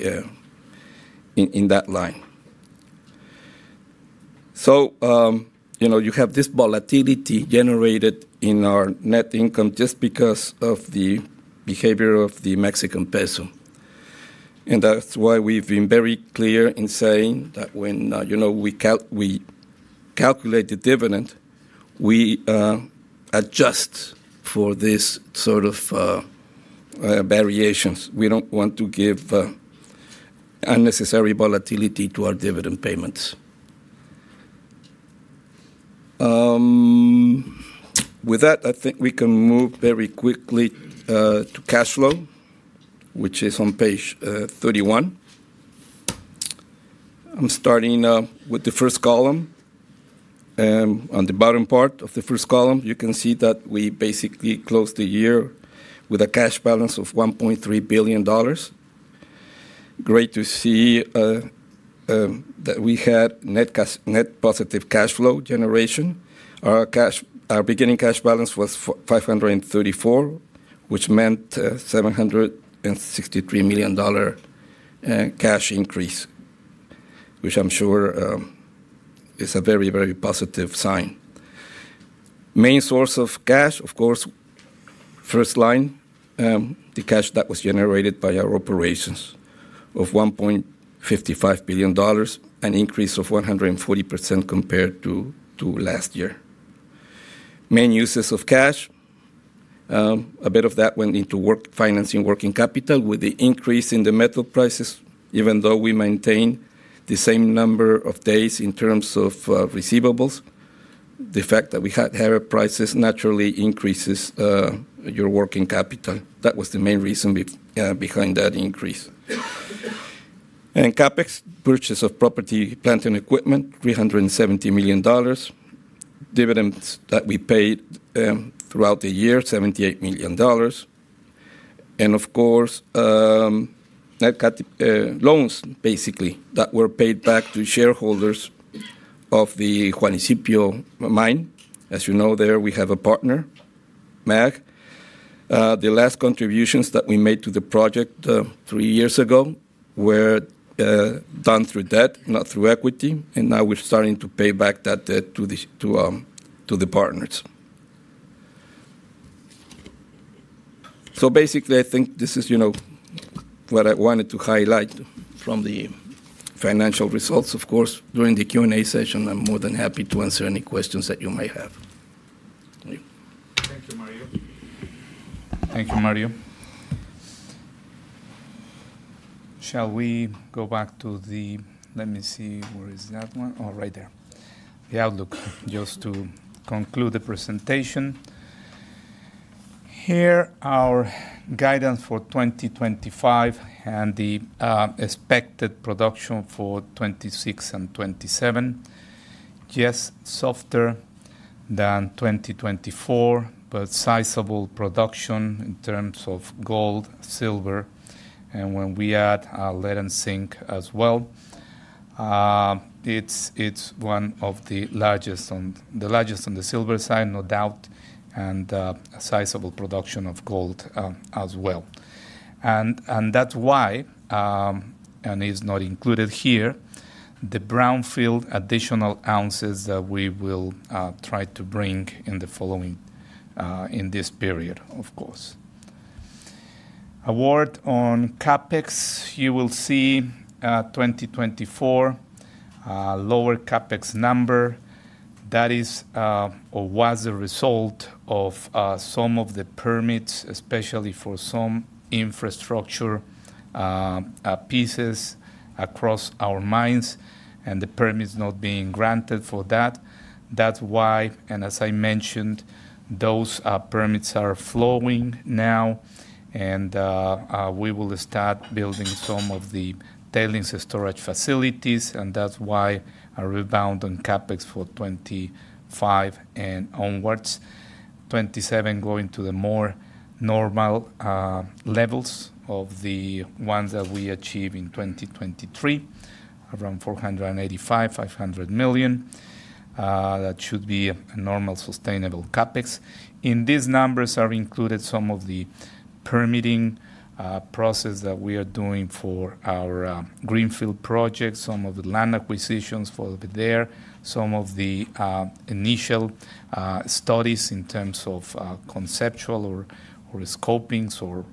in that line. So you have this volatility generated in our net income just because of the behavior of the Mexican peso. And that's why we've been very clear in saying that when we calculate the dividend, we adjust for this sort of variations. We don't want to give unnecessary volatility to our dividend payments. With that, I think we can move very quickly to cash flow, which is on page 31. I'm starting with the first column. On the bottom part of the first column, you can see that we basically closed the year with a cash balance of $1.3 billion. Great to see that we had net positive cash flow generation. Our beginning cash balance was $534 million, which meant a $763 million cash increase, which I'm sure is a very, very positive sign. Main source of cash, of course, first line, the cash that was generated by our operations of $1.55 billion, an increase of 140% compared to last year. Main uses of cash, a bit of that went into financing working capital with the increase in the metal prices. Even though we maintained the same number of days in terms of receivables, the fact that we had higher prices naturally increases your working capital. That was the main reason behind that increase and CapEx purchase of property, plant and equipment, $370 million. Dividends that we paid throughout the year, $78 million and, of course, net capital loans basically that were paid back to shareholders of the Juanicipio mine. As you know, there we have a partner, MAG. The last contributions that we made to the project three years ago were done through debt, not through equity. And now we're starting to pay back that debt to the partners. So basically, I think this is what I wanted to highlight from the financial results. Of course, during the Q&A session, I'm more than happy to answer any questions that you might have. Thank you, Mario. Thank you, Mario. Shall we go back to the, let me see, where is that one? Oh, right there. The outlook, just to conclude the presentation. Here are guidance for 2025 and the expected production for 2026 and 2027. Yes, softer than 2024, but sizable production in terms of gold, silver, and when we add lead and zinc as well. It's one of the largest on the silver side, no doubt, and a sizable production of gold as well. And that's why, and it's not included here, the brownfield additional ounces that we will try to bring in this period, of course. Now, on CapEx, you will see 2024, lower CapEx number. That is or was the result of some of the permits, especially for some infrastructure pieces across our mines and the permits not being granted for that. That's why, and as I mentioned, those permits are flowing now, and we will start building some of the tailings storage facilities. And that's why a rebound on CapEx for 2025 and onwards, 2027 going to the more normal levels of the ones that we achieve in 2023, around $485 million-$500 million. That should be a normal sustainable CapEx. In these numbers are included some of the permitting process that we are doing for our greenfield projects, some of the land acquisitions for there, some of the initial studies in terms of conceptual or scoping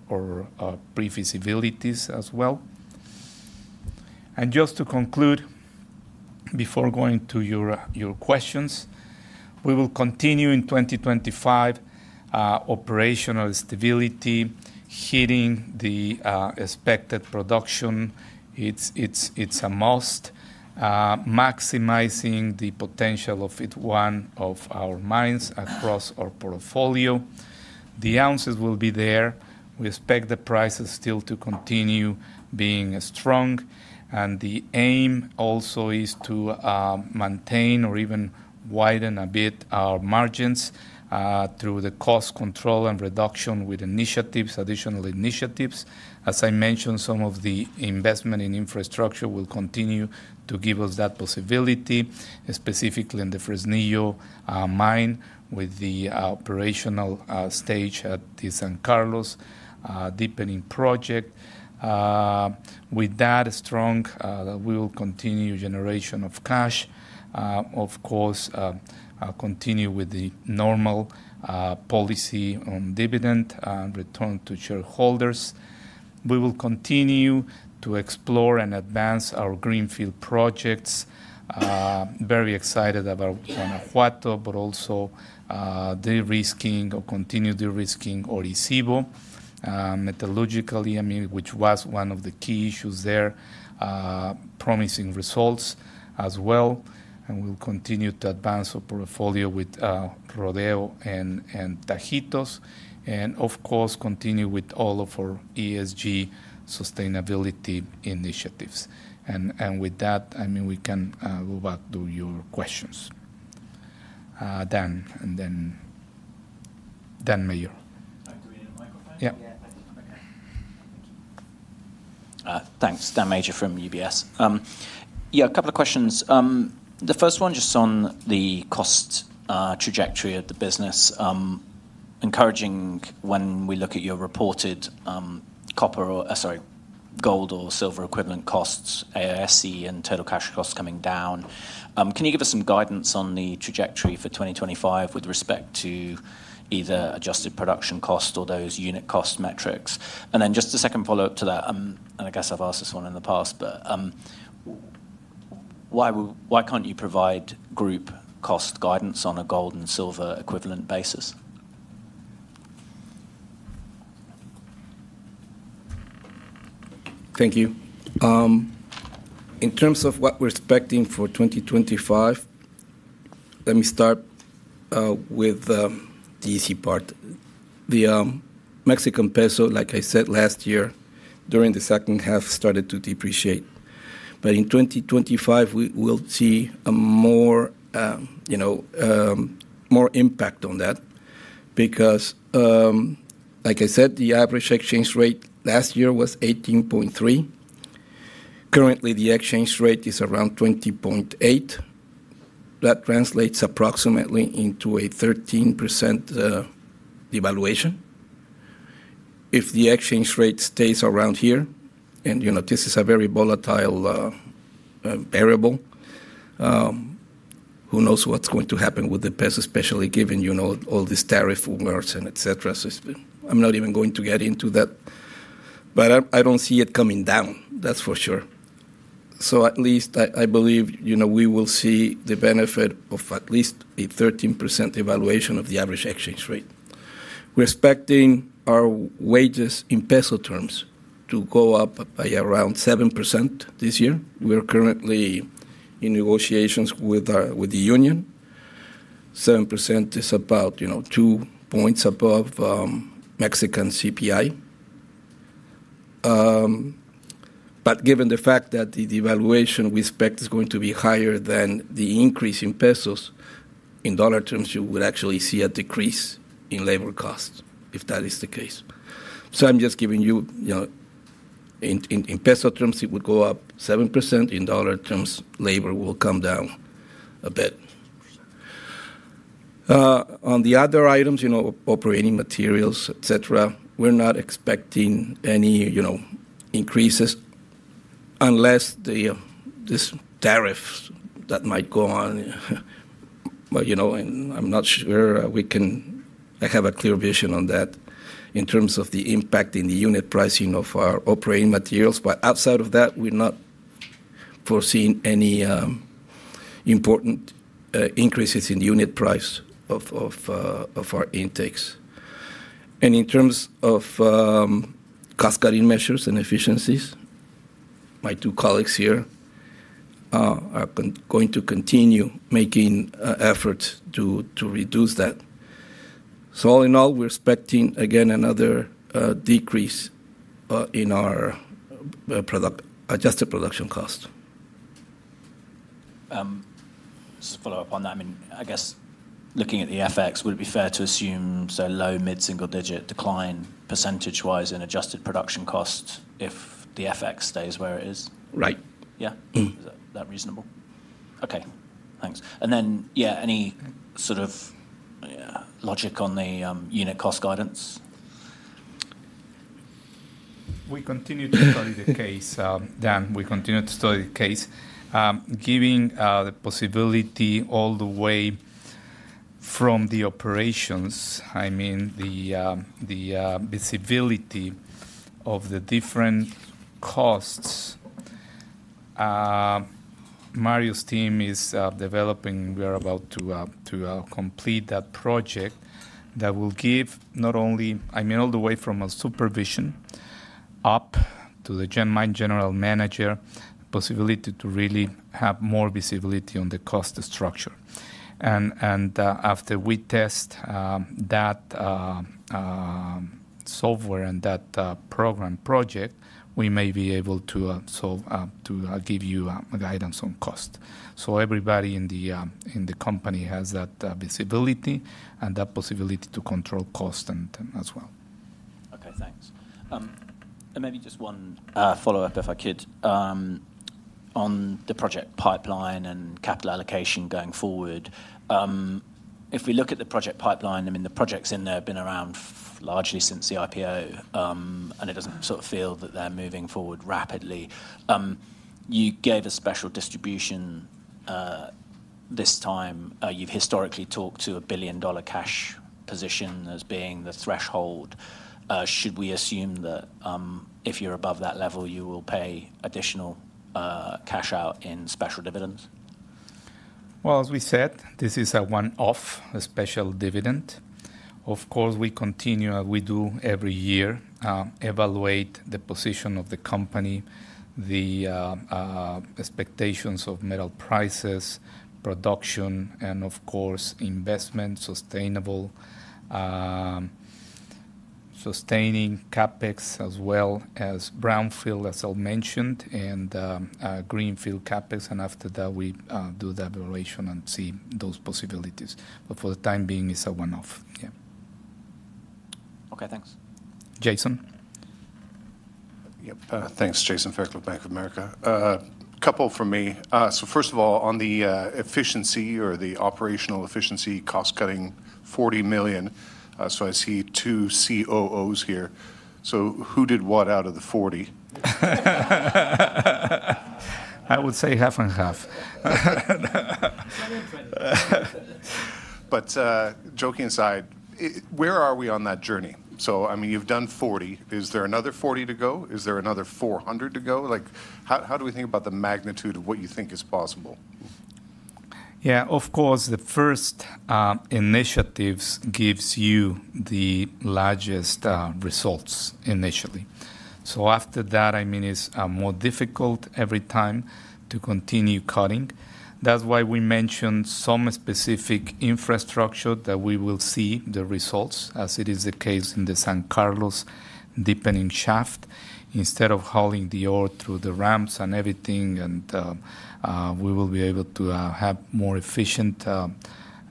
or pre-feasibilities as well. And just to conclude, before going to your questions, we will continue in 2025 operational stability, hitting the expected production. It's a must, maximizing the potential of each one of our mines across our portfolio. The ounces will be there. We expect the prices still to continue being strong. The aim also is to maintain or even widen a bit our margins through the cost control and reduction with initiatives, additional initiatives. As I mentioned, some of the investment in infrastructure will continue to give us that possibility, specifically in the Fresnillo mine with the operational stage at the San Carlos deepening project. With that strong, we will continue generation of cash. Of course, continue with the normal policy on dividend and return to shareholders. We will continue to explore and advance our greenfield projects. Very excited about Guanajuato, but also de-risking Orisyvo metallurgically, which was one of the key issues there, promising results as well. We'll continue to advance our portfolio with Rodeo and Tajitos. Of course, continue with all of our ESG sustainability initiatives. With that, I mean, we can go back to your questions. Dan, Dan Major. Are you doing it on microphone? Yeah. Yeah. Thank you. Thanks. Dan Major from UBS. Yeah, a couple of questions. The first one just on the cost trajectory of the business. Encouraging when we look at your reported copper or, sorry, gold or silver equivalent costs, AISC and total cash costs coming down. Can you give us some guidance on the trajectory for 2025 with respect to either adjusted production costs or those unit cost metrics? And then just a second follow-up to that. And I guess I've asked this one in the past, but why can't you provide group cost guidance on a gold and silver equivalent basis? Thank you. In terms of what we're expecting for 2025, let me start with the easy part. The Mexican peso, like I said last year, during the second half, started to depreciate. But in 2025, we will see more impact on that. Because, like I said, the average exchange rate last year was 18.3. Currently, the exchange rate is around 20.8. That translates approximately into a 13% devaluation. If the exchange rate stays around here, and this is a very volatile variable, who knows what's going to happen with the peso, especially given all these tariff alerts and etc. So I'm not even going to get into that. But I don't see it coming down, that's for sure. So at least I believe we will see the benefit of at least a 13% devaluation of the average exchange rate. We're expecting our wages in peso terms to go up by around 7% this year. We're currently in negotiations with the union. 7% is about two points above Mexican CPI. But given the fact that the devaluation we expect is going to be higher than the increase in pesos, in dollar terms, you would actually see a decrease in labor costs if that is the case. So I'm just giving you, in peso terms, it would go up 7%. In dollar terms, labor will come down a bit. On the other items, operating materials, etc., we're not expecting any increases unless this tariff that might go on. And I'm not sure we can have a clear vision on that in terms of the impact in the unit pricing of our operating materials. But outside of that, we're not foreseeing any important increases in the unit price of our intakes. And in terms of cost-cutting measures and efficiencies, my two colleagues here are going to continue making efforts to reduce that. All in all, we're expecting, again, another decrease in our adjusted production cost. Just to follow up on that, I mean, I guess looking at the FX, would it be fair to assume a low, mid-single-digit decline percentage-wise in adjusted production costs if the FX stays where it is? Right. Yeah? Is that reasonable? Okay. Thanks. And then, yeah, any sort of logic on the unit cost guidance? We continue to study the case, Dan. We continue to study the case, giving the possibility all the way from the operations, I mean, the visibility of the different costs. Mario's team is developing, we are about to complete that project that will give not only, I mean, all the way from a supervision up to the mine general manager, possibility to really have more visibility on the cost structure. After we test that software and that program project, we may be able to give you guidance on cost. So everybody in the company has that visibility andthat possibility to control cost as well. Okay. Thanks. Maybe just one follow-up, if I could, on the project pipeline and capital allocation going forward. If we look at the project pipeline, I mean, the projects in there have been around largely since the IPO, and it doesn't sort of feel that they're moving forward rapidly. You gave a special distribution this time. You've historically talked to a $1 billion cash position as being the threshold. Should we assume that if you're above that level, you will pay additional cash out in special dividends? As we said, this is a one-off special dividend. Of course, we continue, as we do every year, evaluate the position of the company, the expectations of metal prices, production, and of course, investment, sustaining CapEx as well as brownfield, as I mentioned, and greenfield CapEx. And after that, we do the evaluation and see those possibilities. But for the time being, it's a one-off. Yeah. Okay. Thanks. Jason? Yep. Thanks, Jason Fairclough of Bank of America. A couple from me. So first of all, on the efficiency or the operational efficiency cost cutting, $40 million. So I see two COOs here. So who did what out of the 40? I would say half and half. But joking aside, where are we on that journey? So I mean, you've done 40. Is there another 40 to go? Is there another 400 to go? How do we think about the magnitude of what you think is possible? Yeah. Of course, the first initiatives gives you the largest results initially. So after that, I mean, it's more difficult every time to continue cutting. That's why we mentioned some specific infrastructure that we will see the results, as it is the case in the San Carlos Shaft. Instead of hauling the ore through the ramps and everything, we will be able to have more efficient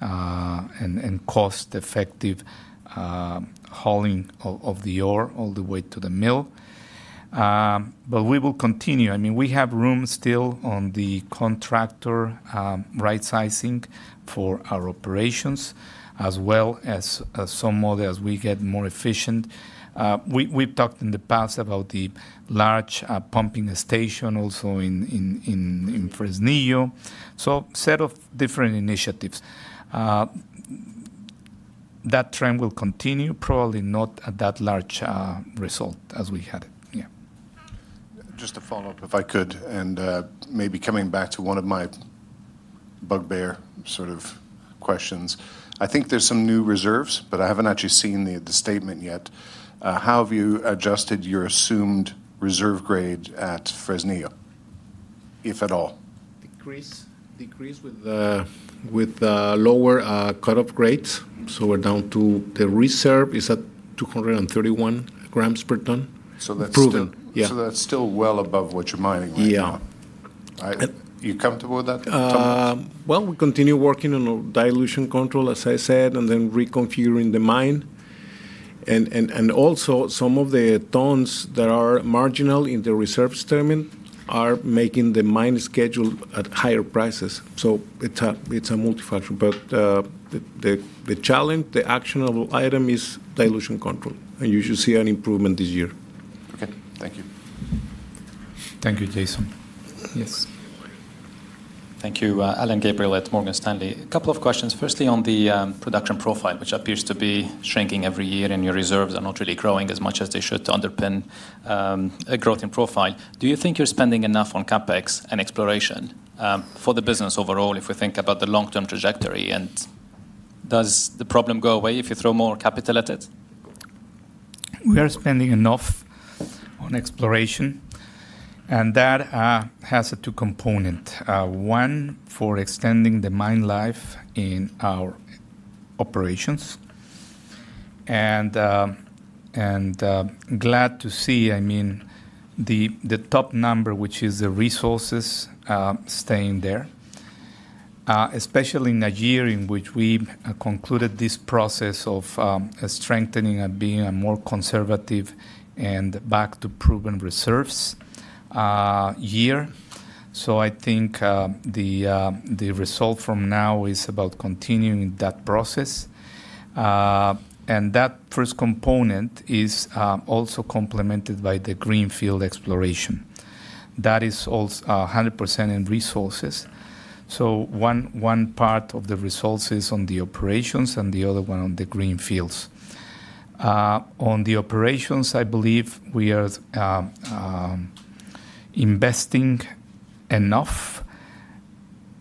and cost-effective hauling of the ore all the way to the mill. But we will continue. I mean, we have room still on the contractor right-sizing for our operations, as well as some more as we get more efficient. We've talked in the past about the large pumping station also in Fresnillo. So a set of different initiatives. That trend will continue, probably not at that large result as we had it. Yeah. Just to follow up, if I could, and maybe coming back to one of my bugbear sort of questions. I think there's some new reserves, but I haven't actually seen the statement yet. How have you adjusted your assumed reserve grade at Fresnillo, if at all? Decrease with lower cut-off grades. So we're down to the reserve is at 231 grams per ton. So that's still well above what you're mining right now. Yeah. You comfortable with that? Well, we continue working on dilution control, as I said, and then reconfiguring the mine. And also, some of the tons that are marginal in the reserves terminal are making the mine schedule at higher prices. So it's a multifactor. But the challenge, the actionable item is dilution control. And you should see an improvement this year. Okay. Thank you. Thank you, Jason. Yes. Thank you, Alain Gabriel at Morgan Stanley. A couple of questions. Firstly, on the production profile, which appears to be shrinking every year and your reserves are not really growing as much as they should to underpin a growth in profile. Do you think you're spending enough on CapEx and exploration for the business overall if we think about the long-term trajectory? And does the problem go away if you throw more capital at it? We are spending enough on exploration, and that has a two-component. One, for extending the mine life in our operations, and glad to see, I mean, the top number, which is the resources staying there, especially in a year in which we concluded this process of strengthening and being a more conservative and back-to-proven reserves year, so I think the result from now is about continuing that process. That first component is also complemented by the greenfield exploration. That is also 100% in resources. One part of the resources on the operations and the other one on the greenfields. On the operations, I believe we are investing enough.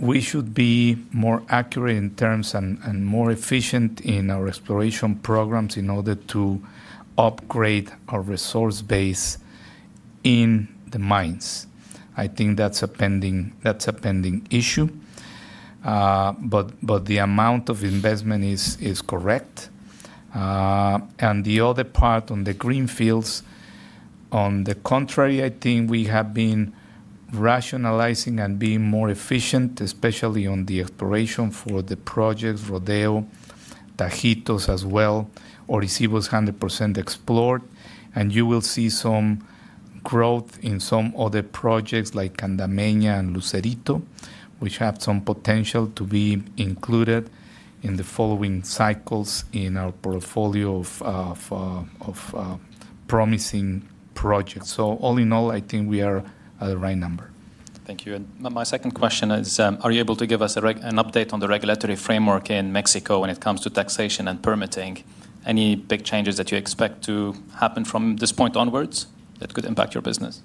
We should be more accurate in terms and more efficient in our exploration programs in order to upgrade our resource base in the mines. I think that's a pending issue. The amount of investment is correct. The other part on the greenfields, on the contrary, I think we have been rationalizing and being more efficient, especially on the exploration for the projects, Rodeo, Tajitos as well. Orisyvo is 100% explored. You will see some growth in some other projects like Candameña and Lucerito, which have some potential to be included in the following cycles in our portfolio of promising projects. So all in all, I think we are at the right number. Thank you. And my second question is, are you able to give us an update on the regulatory framework in Mexico when it comes to taxation and permitting? Any big changes that you expect to happen from this point onwards that could impact your business?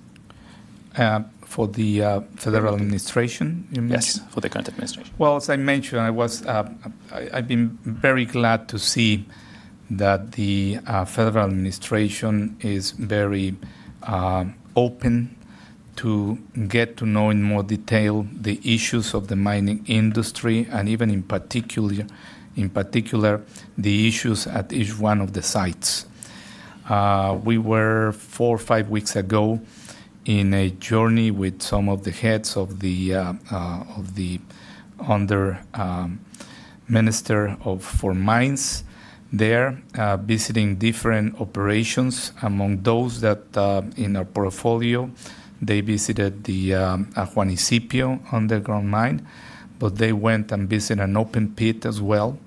For the federal administration, you mean? Yes. For the current administration. Well, as I mentioned, I've been very glad to see that the federal administration is very open to get to know in more detail the issues of the mining industry and even in particular, the issues at each one of the sites. We were four or five weeks ago in a journey with some of the heads of the under-minister for mines there, visiting different operations. Among those that in our portfolio, they visited the Juanicipio underground mine, but they went and visited an open pit as well.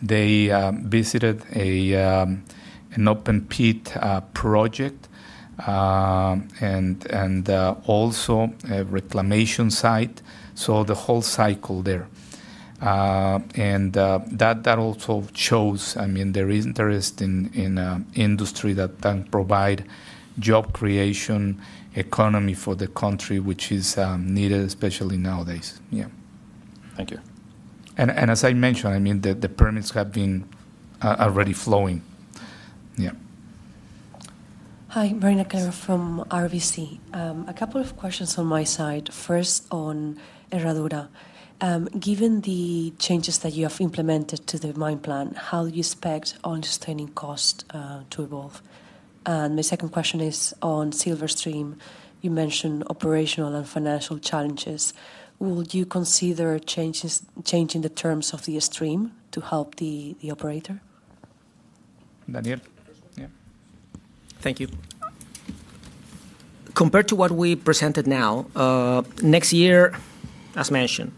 They visited an open pit project and also a reclamation site. So the whole cycle there. And that also shows, I mean, there is interest in industry that can provide job creation economy for the country, which is needed, especially nowadays. Yeah. Thank you. And as I mentioned, I mean, the permits have been already flowing. Yeah. Hi, Marina Calero from RBC Capital Markets. A couple of questions on my side. First, on Herradura. Given the changes that you have implemented to the mine plan, how do you expect on sustaining cost to evolve? And my second question is on Silverstream. You mentioned operational and financial challenges. Will you consider changing the terms of the stream to help the operator? Daniel? Yeah. Thank you. Compared to what we presented now, next year, as mentioned,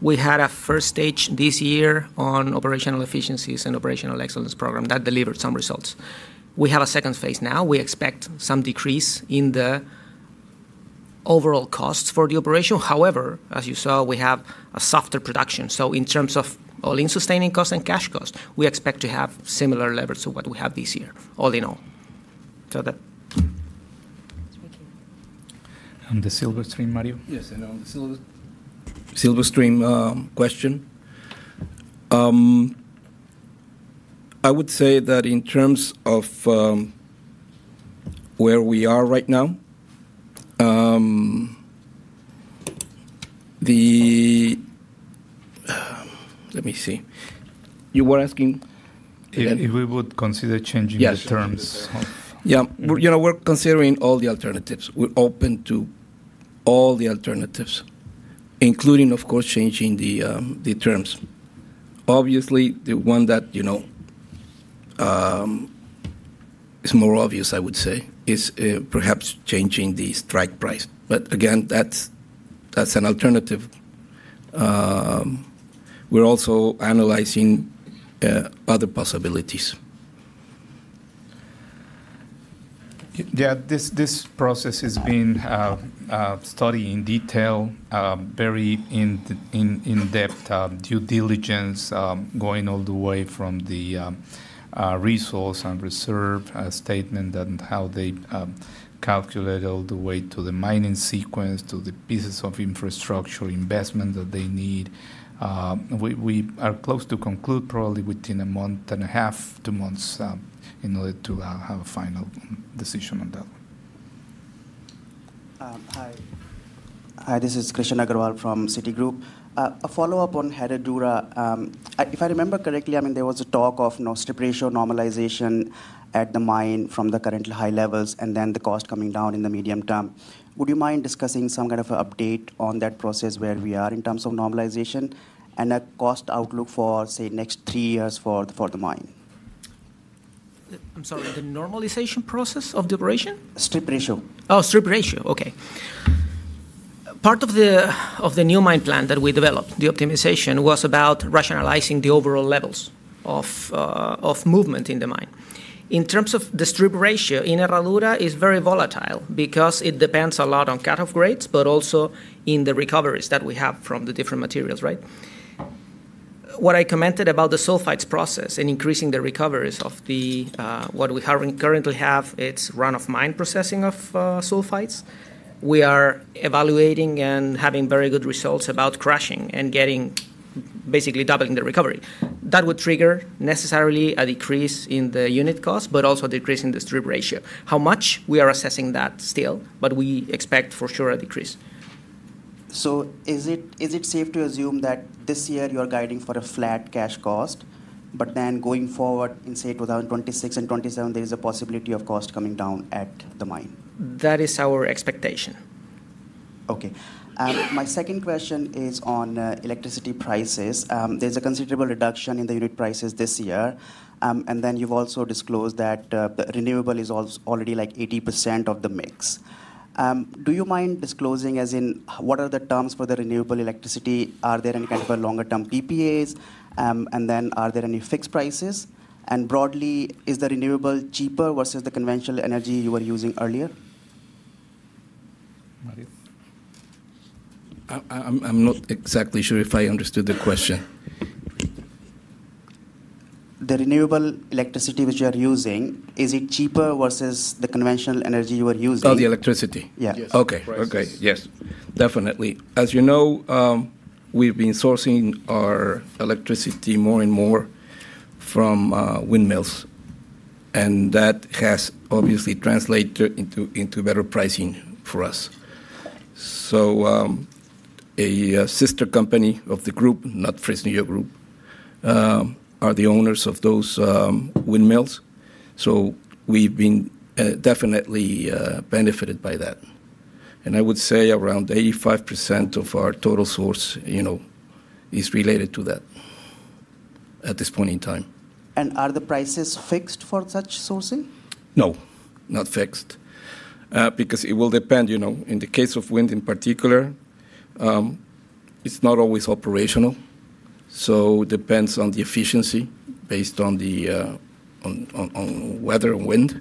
we had a first stage this year on operational efficiencies and operational excellence program that delivered some results. We have a second phase now. We expect some decrease in the overall costs for the operation. However, as you saw, we have a softer production. So in terms of all-in sustaining cost and cash cost, we expect to have similar levels to what we have this year, all in all. So that. Thank you. On the Silverstream, Mario? Yes. And on the Silverstream question, I would say that in terms of where we are right now, let me see. You were asking if we would consider changing the terms of. Yes. Yeah. We're considering all the alternatives. We're open to all the alternatives, including, of course, changing the terms. Obviously, the one that is more obvious, I would say, is perhaps changing the strike price. But again, that's an alternative. We're also analyzing other possibilities. Yeah. This process has been studied in detail, very in-depth due diligence, going all the way from the resource and reserve statement and how they calculate all the way to the mining sequence, to the pieces of infrastructure, investment that they need. We are close to conclude, probably within a month and a half to months in order to have a final decision on that. Hi. Hi. This is Krishan Agarwal from Citigroup. A follow-up on Herradura. If I remember correctly, I mean, there was a talk of strip ratio normalization at the mine from the current high levels and then the cost coming down in the medium term. Would you mind discussing some kind of an update on that process where we are in terms of normalization and a cost outlook for, say, next three years for the mine? I'm sorry. The normalization process of the operation? Strip ratio. Oh, strip ratio. Okay. Part of the new mine plan that we developed, the optimization, was about rationalizing the overall levels of movement in the mine. In terms of the strip ratio, in Herradura, it's very volatile because it depends a lot on cut-off grades, but also in the recoveries that we have from the different materials, right? What I commented about the sulfides process and increasing the recoveries of what we currently have, it's run-of-mine processing of sulfides. We are evaluating and having very good results about crushing and getting basically doubling the recovery. That would trigger necessarily a decrease in the unit cost, but also a decrease in the strip ratio. How much? We are assessing that still, but we expect for sure a decrease. So is it safe to assume that this year you're guiding for a flat cash cost, but then going forward in, say, 2026 and 2027, there is a possibility of cost coming down at the mine? That is our expectation. Okay. My second question is on electricity prices. There's a considerable reduction in the unit prices this year. And then you've also disclosed that renewable is already like 80% of the mix. Do you mind disclosing, as in, what are the terms for the renewable electricity? Are there any kind of longer-term PPAs? And then are there any fixed prices? And broadly, is the renewable cheaper versus the conventional energy you were using earlier? I'm not exactly sure if I understood the question. The renewable electricity which you are using, is it cheaper versus the conventional energy you were using? Oh, the electricity. Yeah. Okay. Okay. Yes. Definitely. As you know, we've been sourcing our electricity more and more from windmills. And that has obviously translated into better pricing for us. So a sister company of the group, not Fresnillo Group, are the owners of those windmills. So we've been definitely benefited by that. And I would say around 85% of our total source is related to that at this point in time. And are the prices fixed for such sourcing? No. Not fixed. Because it will depend. In the case of wind in particular, it's not always operational. So it depends on the efficiency based on weather and wind.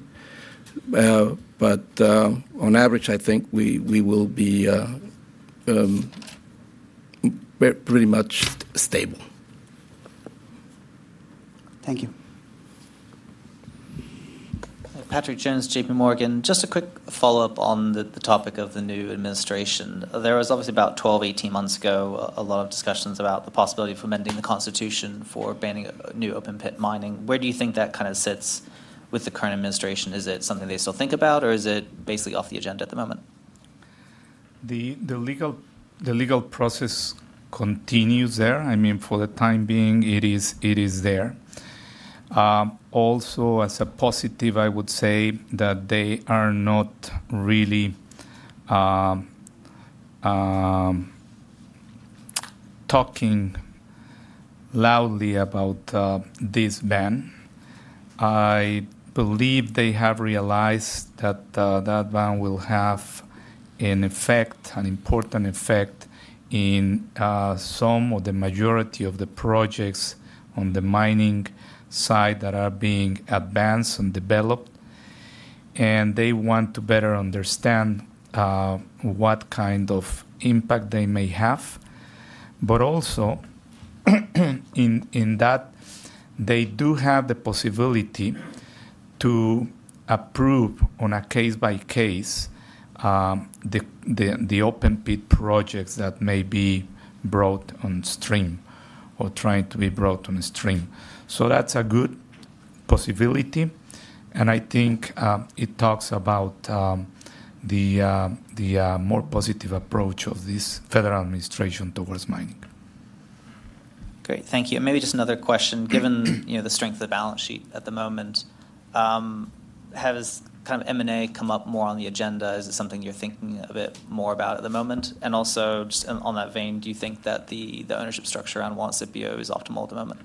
But on average, I think we will be pretty much stable. Thank you. Patrick Jones, J.P. Morgan. Just a quick follow-up on the topic of the new administration. There was obviously about 12-18 months ago a lot of discussions about the possibility of amending the Constitution for banning new open-pit mining. Where do you think that kind of sits with the current administration? Is it something they still think about, or is it basically off the agenda at the moment? The legal process continues there. I mean, for the time being, it is there. Also, as a positive, I would say that they are not really talking loudly about this ban. I believe they have realized that that ban will have an effect, an important effect in some or the majority of the projects on the mining side that are being advanced and developed. And they want to better understand what kind of impact they may have. But also in that, they do have the possibility to approve on a case-by-case the open-pit projects that may be brought on stream or trying to be brought on stream. So that's a good possibility. And I think it talks about the more positive approach of this federal administration towards mining. Great. Thank you. And maybe just another question. Given the strength of the balance sheet at the moment, has kind of M&A come up more on the agenda? Is it something you're thinking a bit more about at the moment? And also just on that vein, do you think that the ownership structure around Juanicipio is optimal at the moment?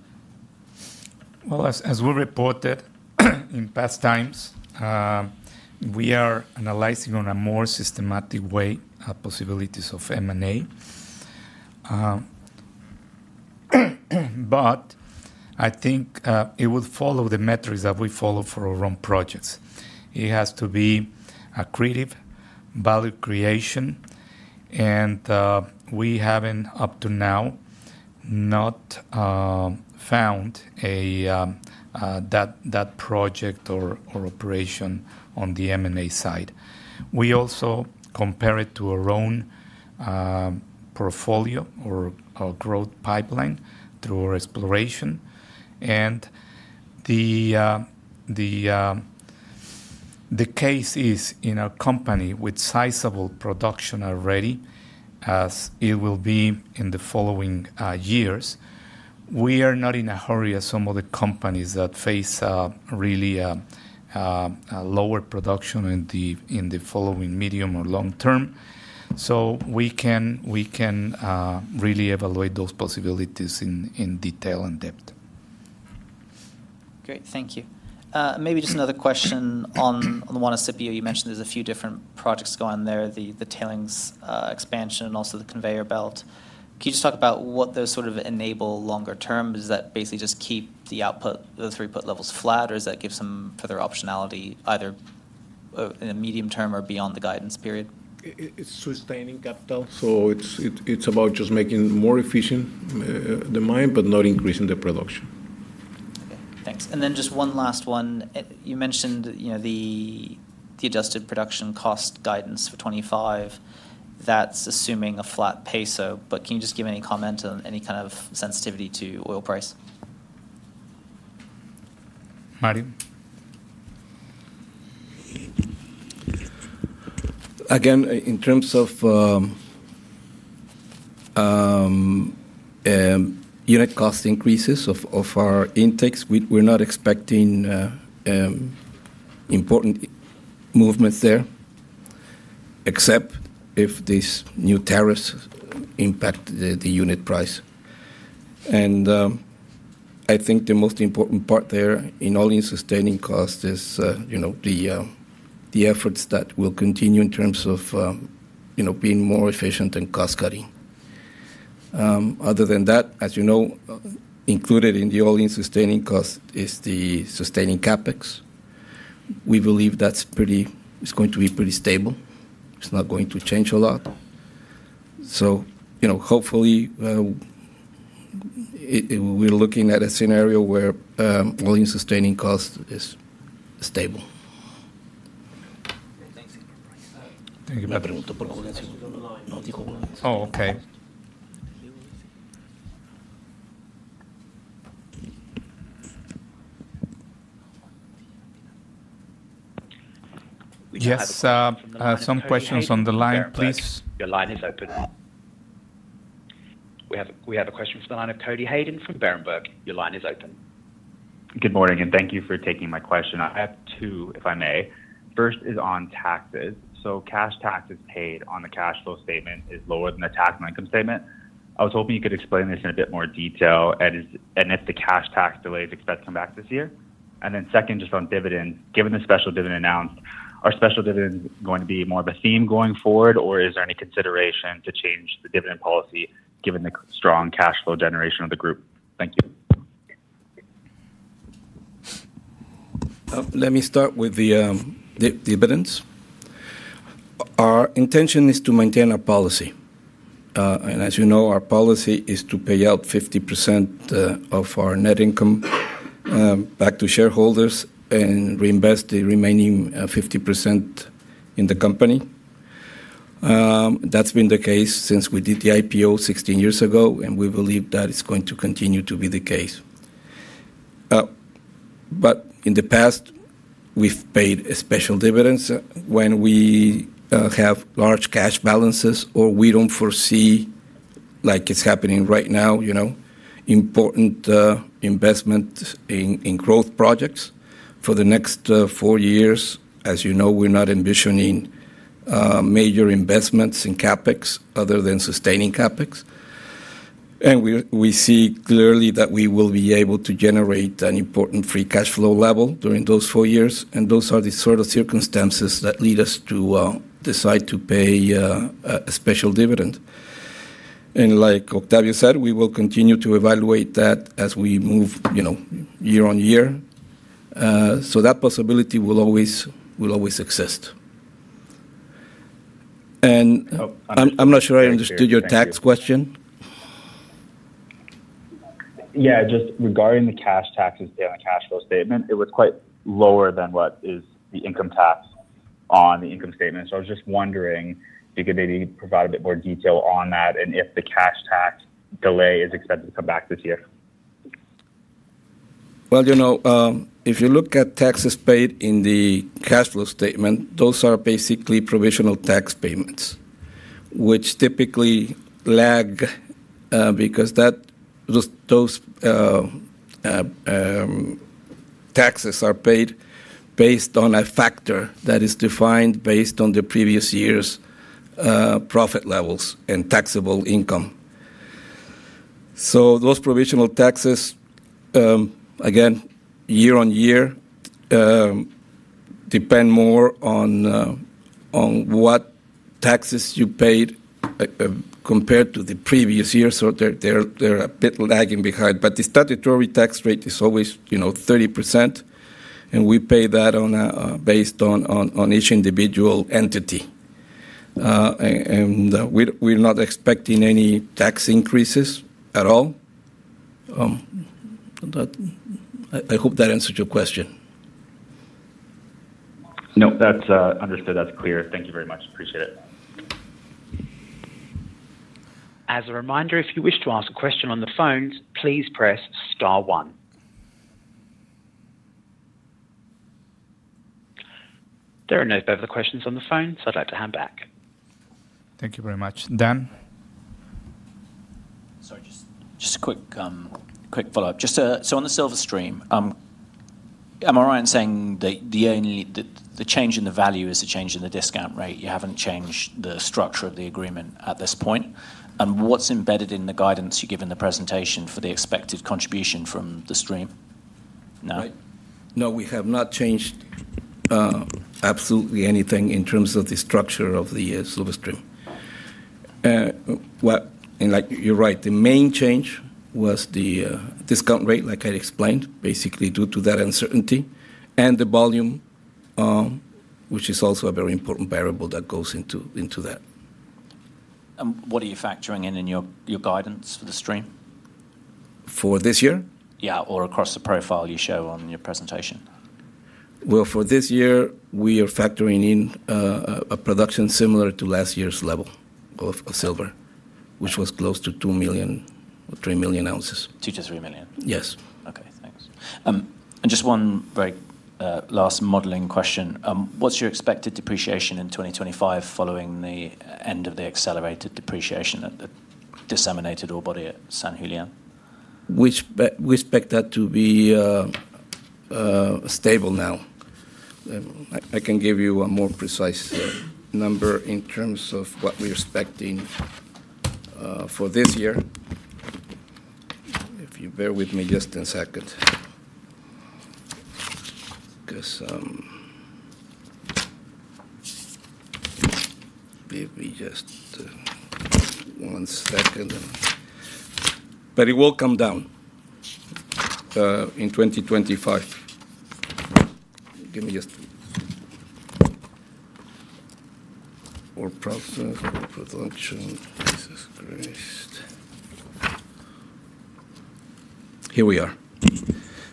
Well, as we reported in past times, we are analyzing on a more systematic way possibilities of M&A. But I think it would follow the metrics that we follow for our own projects. It has to be accretive, value creation. And we haven't, up to now, not found that project or operation on the M&A side. We also compare it to our own portfolio or growth pipeline through our exploration. And the case is in a company with sizable production already, as it will be in the following years. We are not in a hurry as some of the companies that face really lower production in the following medium or long term. So we can really evaluate those possibilities in detail and depth. Great. Thank you. Maybe just another question on Juanicipio. You mentioned there's a few different projects going there, the tailings expansion and also the conveyor belt. Can you just talk about what those sort of enable longer term? Is that basically just keep the output, the throughput levels flat, or does that give some further optionality either in the medium term or beyond the guidance period? It's sustaining capital. So it's about just making more efficient the mine, but not increasing the production. Okay. Thanks. And then just one last one. You mentioned the adjusted production cost guidance for 2025. That's assuming a flat peso. But can you just give any comment on any kind of sensitivity to oil price? Mario. Again, in terms of unit cost increases of our intakes, we're not expecting important movements there, except if these new tariffs impact the unit price. And I think the most important part there in all-in sustaining cost is the efforts that will continue in terms of being more efficient and cost-cutting. Other than that, as you know, included in the all-in sustaining cost is the sustaining capex. We believe that's going to be pretty stable. It's not going to change a lot. So hopefully, we're looking at a scenario where all-in sustaining cost is stable. Thank you. Oh, okay. Yes. Some questions on the line, please. Your line is open. We have a question from the line of Cody Hayden from Berenberg. Your line is open. Good morning, and thank you for taking my question. I have two, if I may. First is on taxes. So cash taxes paid on the cash flow statement is lower than the tax on income statement. I was hoping you could explain this in a bit more detail. And if the cash tax delays expected to come back this year? And then second, just on dividends, given the special dividend announced, are special dividends going to be more of a theme going forward, or is there any consideration to change the dividend policy given the strong cash flow generation of the group? Thank you. Let me start with the dividends. Our intention is to maintain our policy. And as you know, our policy is to pay out 50% of our net income back to shareholders and reinvest the remaining 50% in the company. That's been the case since we did the IPO 16 years ago, and we believe that it's going to continue to be the case. But in the past, we've paid special dividends when we have large cash balances or we don't foresee, like it's happening right now, important investments in growth projects. For the next four years, as you know, we're not envisioning major investments in CapEx other than sustaining CapEx. And we see clearly that we will be able to generate an important free cash flow level during those four years. And those are the sort of circumstances that lead us to decide to pay a special dividend. And like Octavio said, we will continue to evaluate that as we move year on year. So that possibility will always exist. And I'm not sure I understood your tax question. Yeah. Just regarding the cash taxes on the cash flow statement, it was quite lower than what is the income tax on the income statement. So I was just wondering if you could maybe provide a bit more detail on that and if the cash tax delay is expected to come back this year. If you look at taxes paid in the cash flow statement, those are basically provisional tax payments, which typically lag because those taxes are paid based on a factor that is defined based on the previous year's profit levels and taxable income. So those provisional taxes, again, year on year, depend more on what taxes you paid compared to the previous year. So they're a bit lagging behind. But the statutory tax rate is always 30%, and we pay that based on each individual entity. And we're not expecting any tax increases at all. I hope that answered your question. No, that's understood. That's clear. Thank you very much. Appreciate it. As a reminder, if you wish to ask a question on the phone, please press star one. There are no further questions on the phone, so I'd like to hand back. Thank you very much. Dan? Sorry, just a quick follow-up. So on the silver stream, am I right in saying that the change in the value is the change in the discount rate? You haven't changed the structure of the agreement at this point. What's embedded in the guidance you give in the presentation for the expected contribution from the stream? No? No, we have not changed absolutely anything in terms of the structure of the silver stream. Like you're right, the main change was the discount rate, like I explained, basically due to that uncertainty, and the volume, which is also a very important variable that goes into that. What are you factoring in in your guidance for the stream? For this year? Yeah, or across the profile you show on your presentation. Well, for this year, we are factoring in a production similar to last year's level of silver, which was close to 2-3 million ounces. 2-3 million? Yes. Okay. Thanks. And just one very last modeling question. What's your expected depreciation in 2025 following the end of the accelerated depreciation at the disseminated ore body at San Julián? We expect that to be stable now. I can give you a more precise number in terms of what we're expecting for this year. If you bear with me just a second. Maybe just one second. But it will come down in 2025. Give me just a second. Here we are.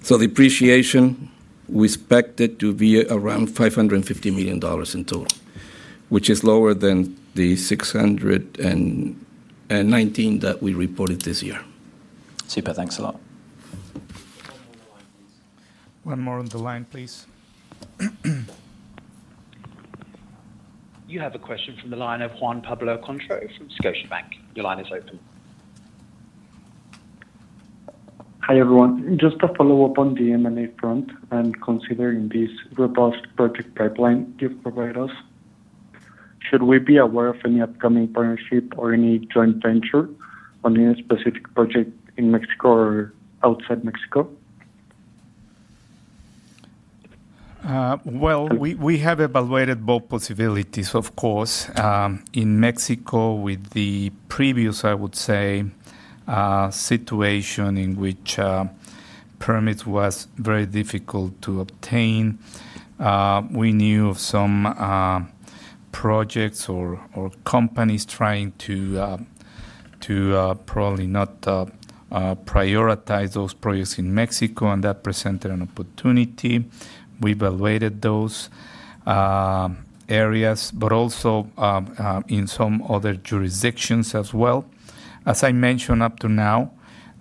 So depreciation, we expect it to be around $550 million in total, which is lower than the $619 million that we reported this year. Super. Thanks a lot. One more on the line, please. One more on the line, please. You have a question from the line of Juan Pablo Contreras from Scotiabank. Your line is open. Hi everyone. Just to follow up on the M&A front and considering this robust project pipeline you've provided us, should we be aware of any upcoming partnership or any joint venture on any specific project in Mexico or outside Mexico? Well, we have evaluated both possibilities, of course. In Mexico, with the previous, I would say, situation in which permits were very difficult to obtain, we knew of some projects or companies trying to probably not prioritize those projects in Mexico, and that presented an opportunity. We evaluated those areas, but also in some other jurisdictions as well. As I mentioned up to now,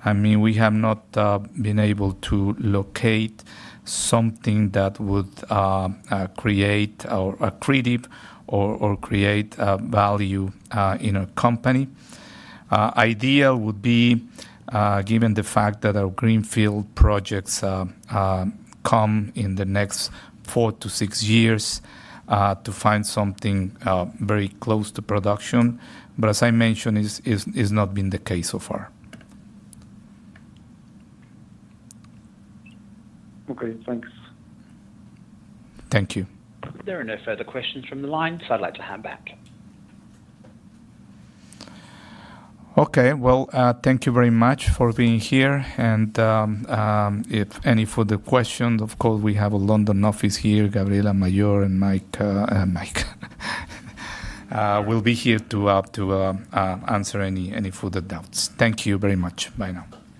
I mean, we have not been able to locate something that would create accretive or create value in our company. Ideal would be, given the fact that our greenfield projects come in the next four to six years, to find something very close to production. But as I mentioned, it's not been the case so far. Okay. Thanks. Thank you. There are no further questions from the line, so I'd like to hand back. Okay. Well, thank you very much for being here. And if any further questions, of course, we have a London office here. Gabriela Mayor and Mike will be here to answer any further doubts. Thank you very much. Bye now.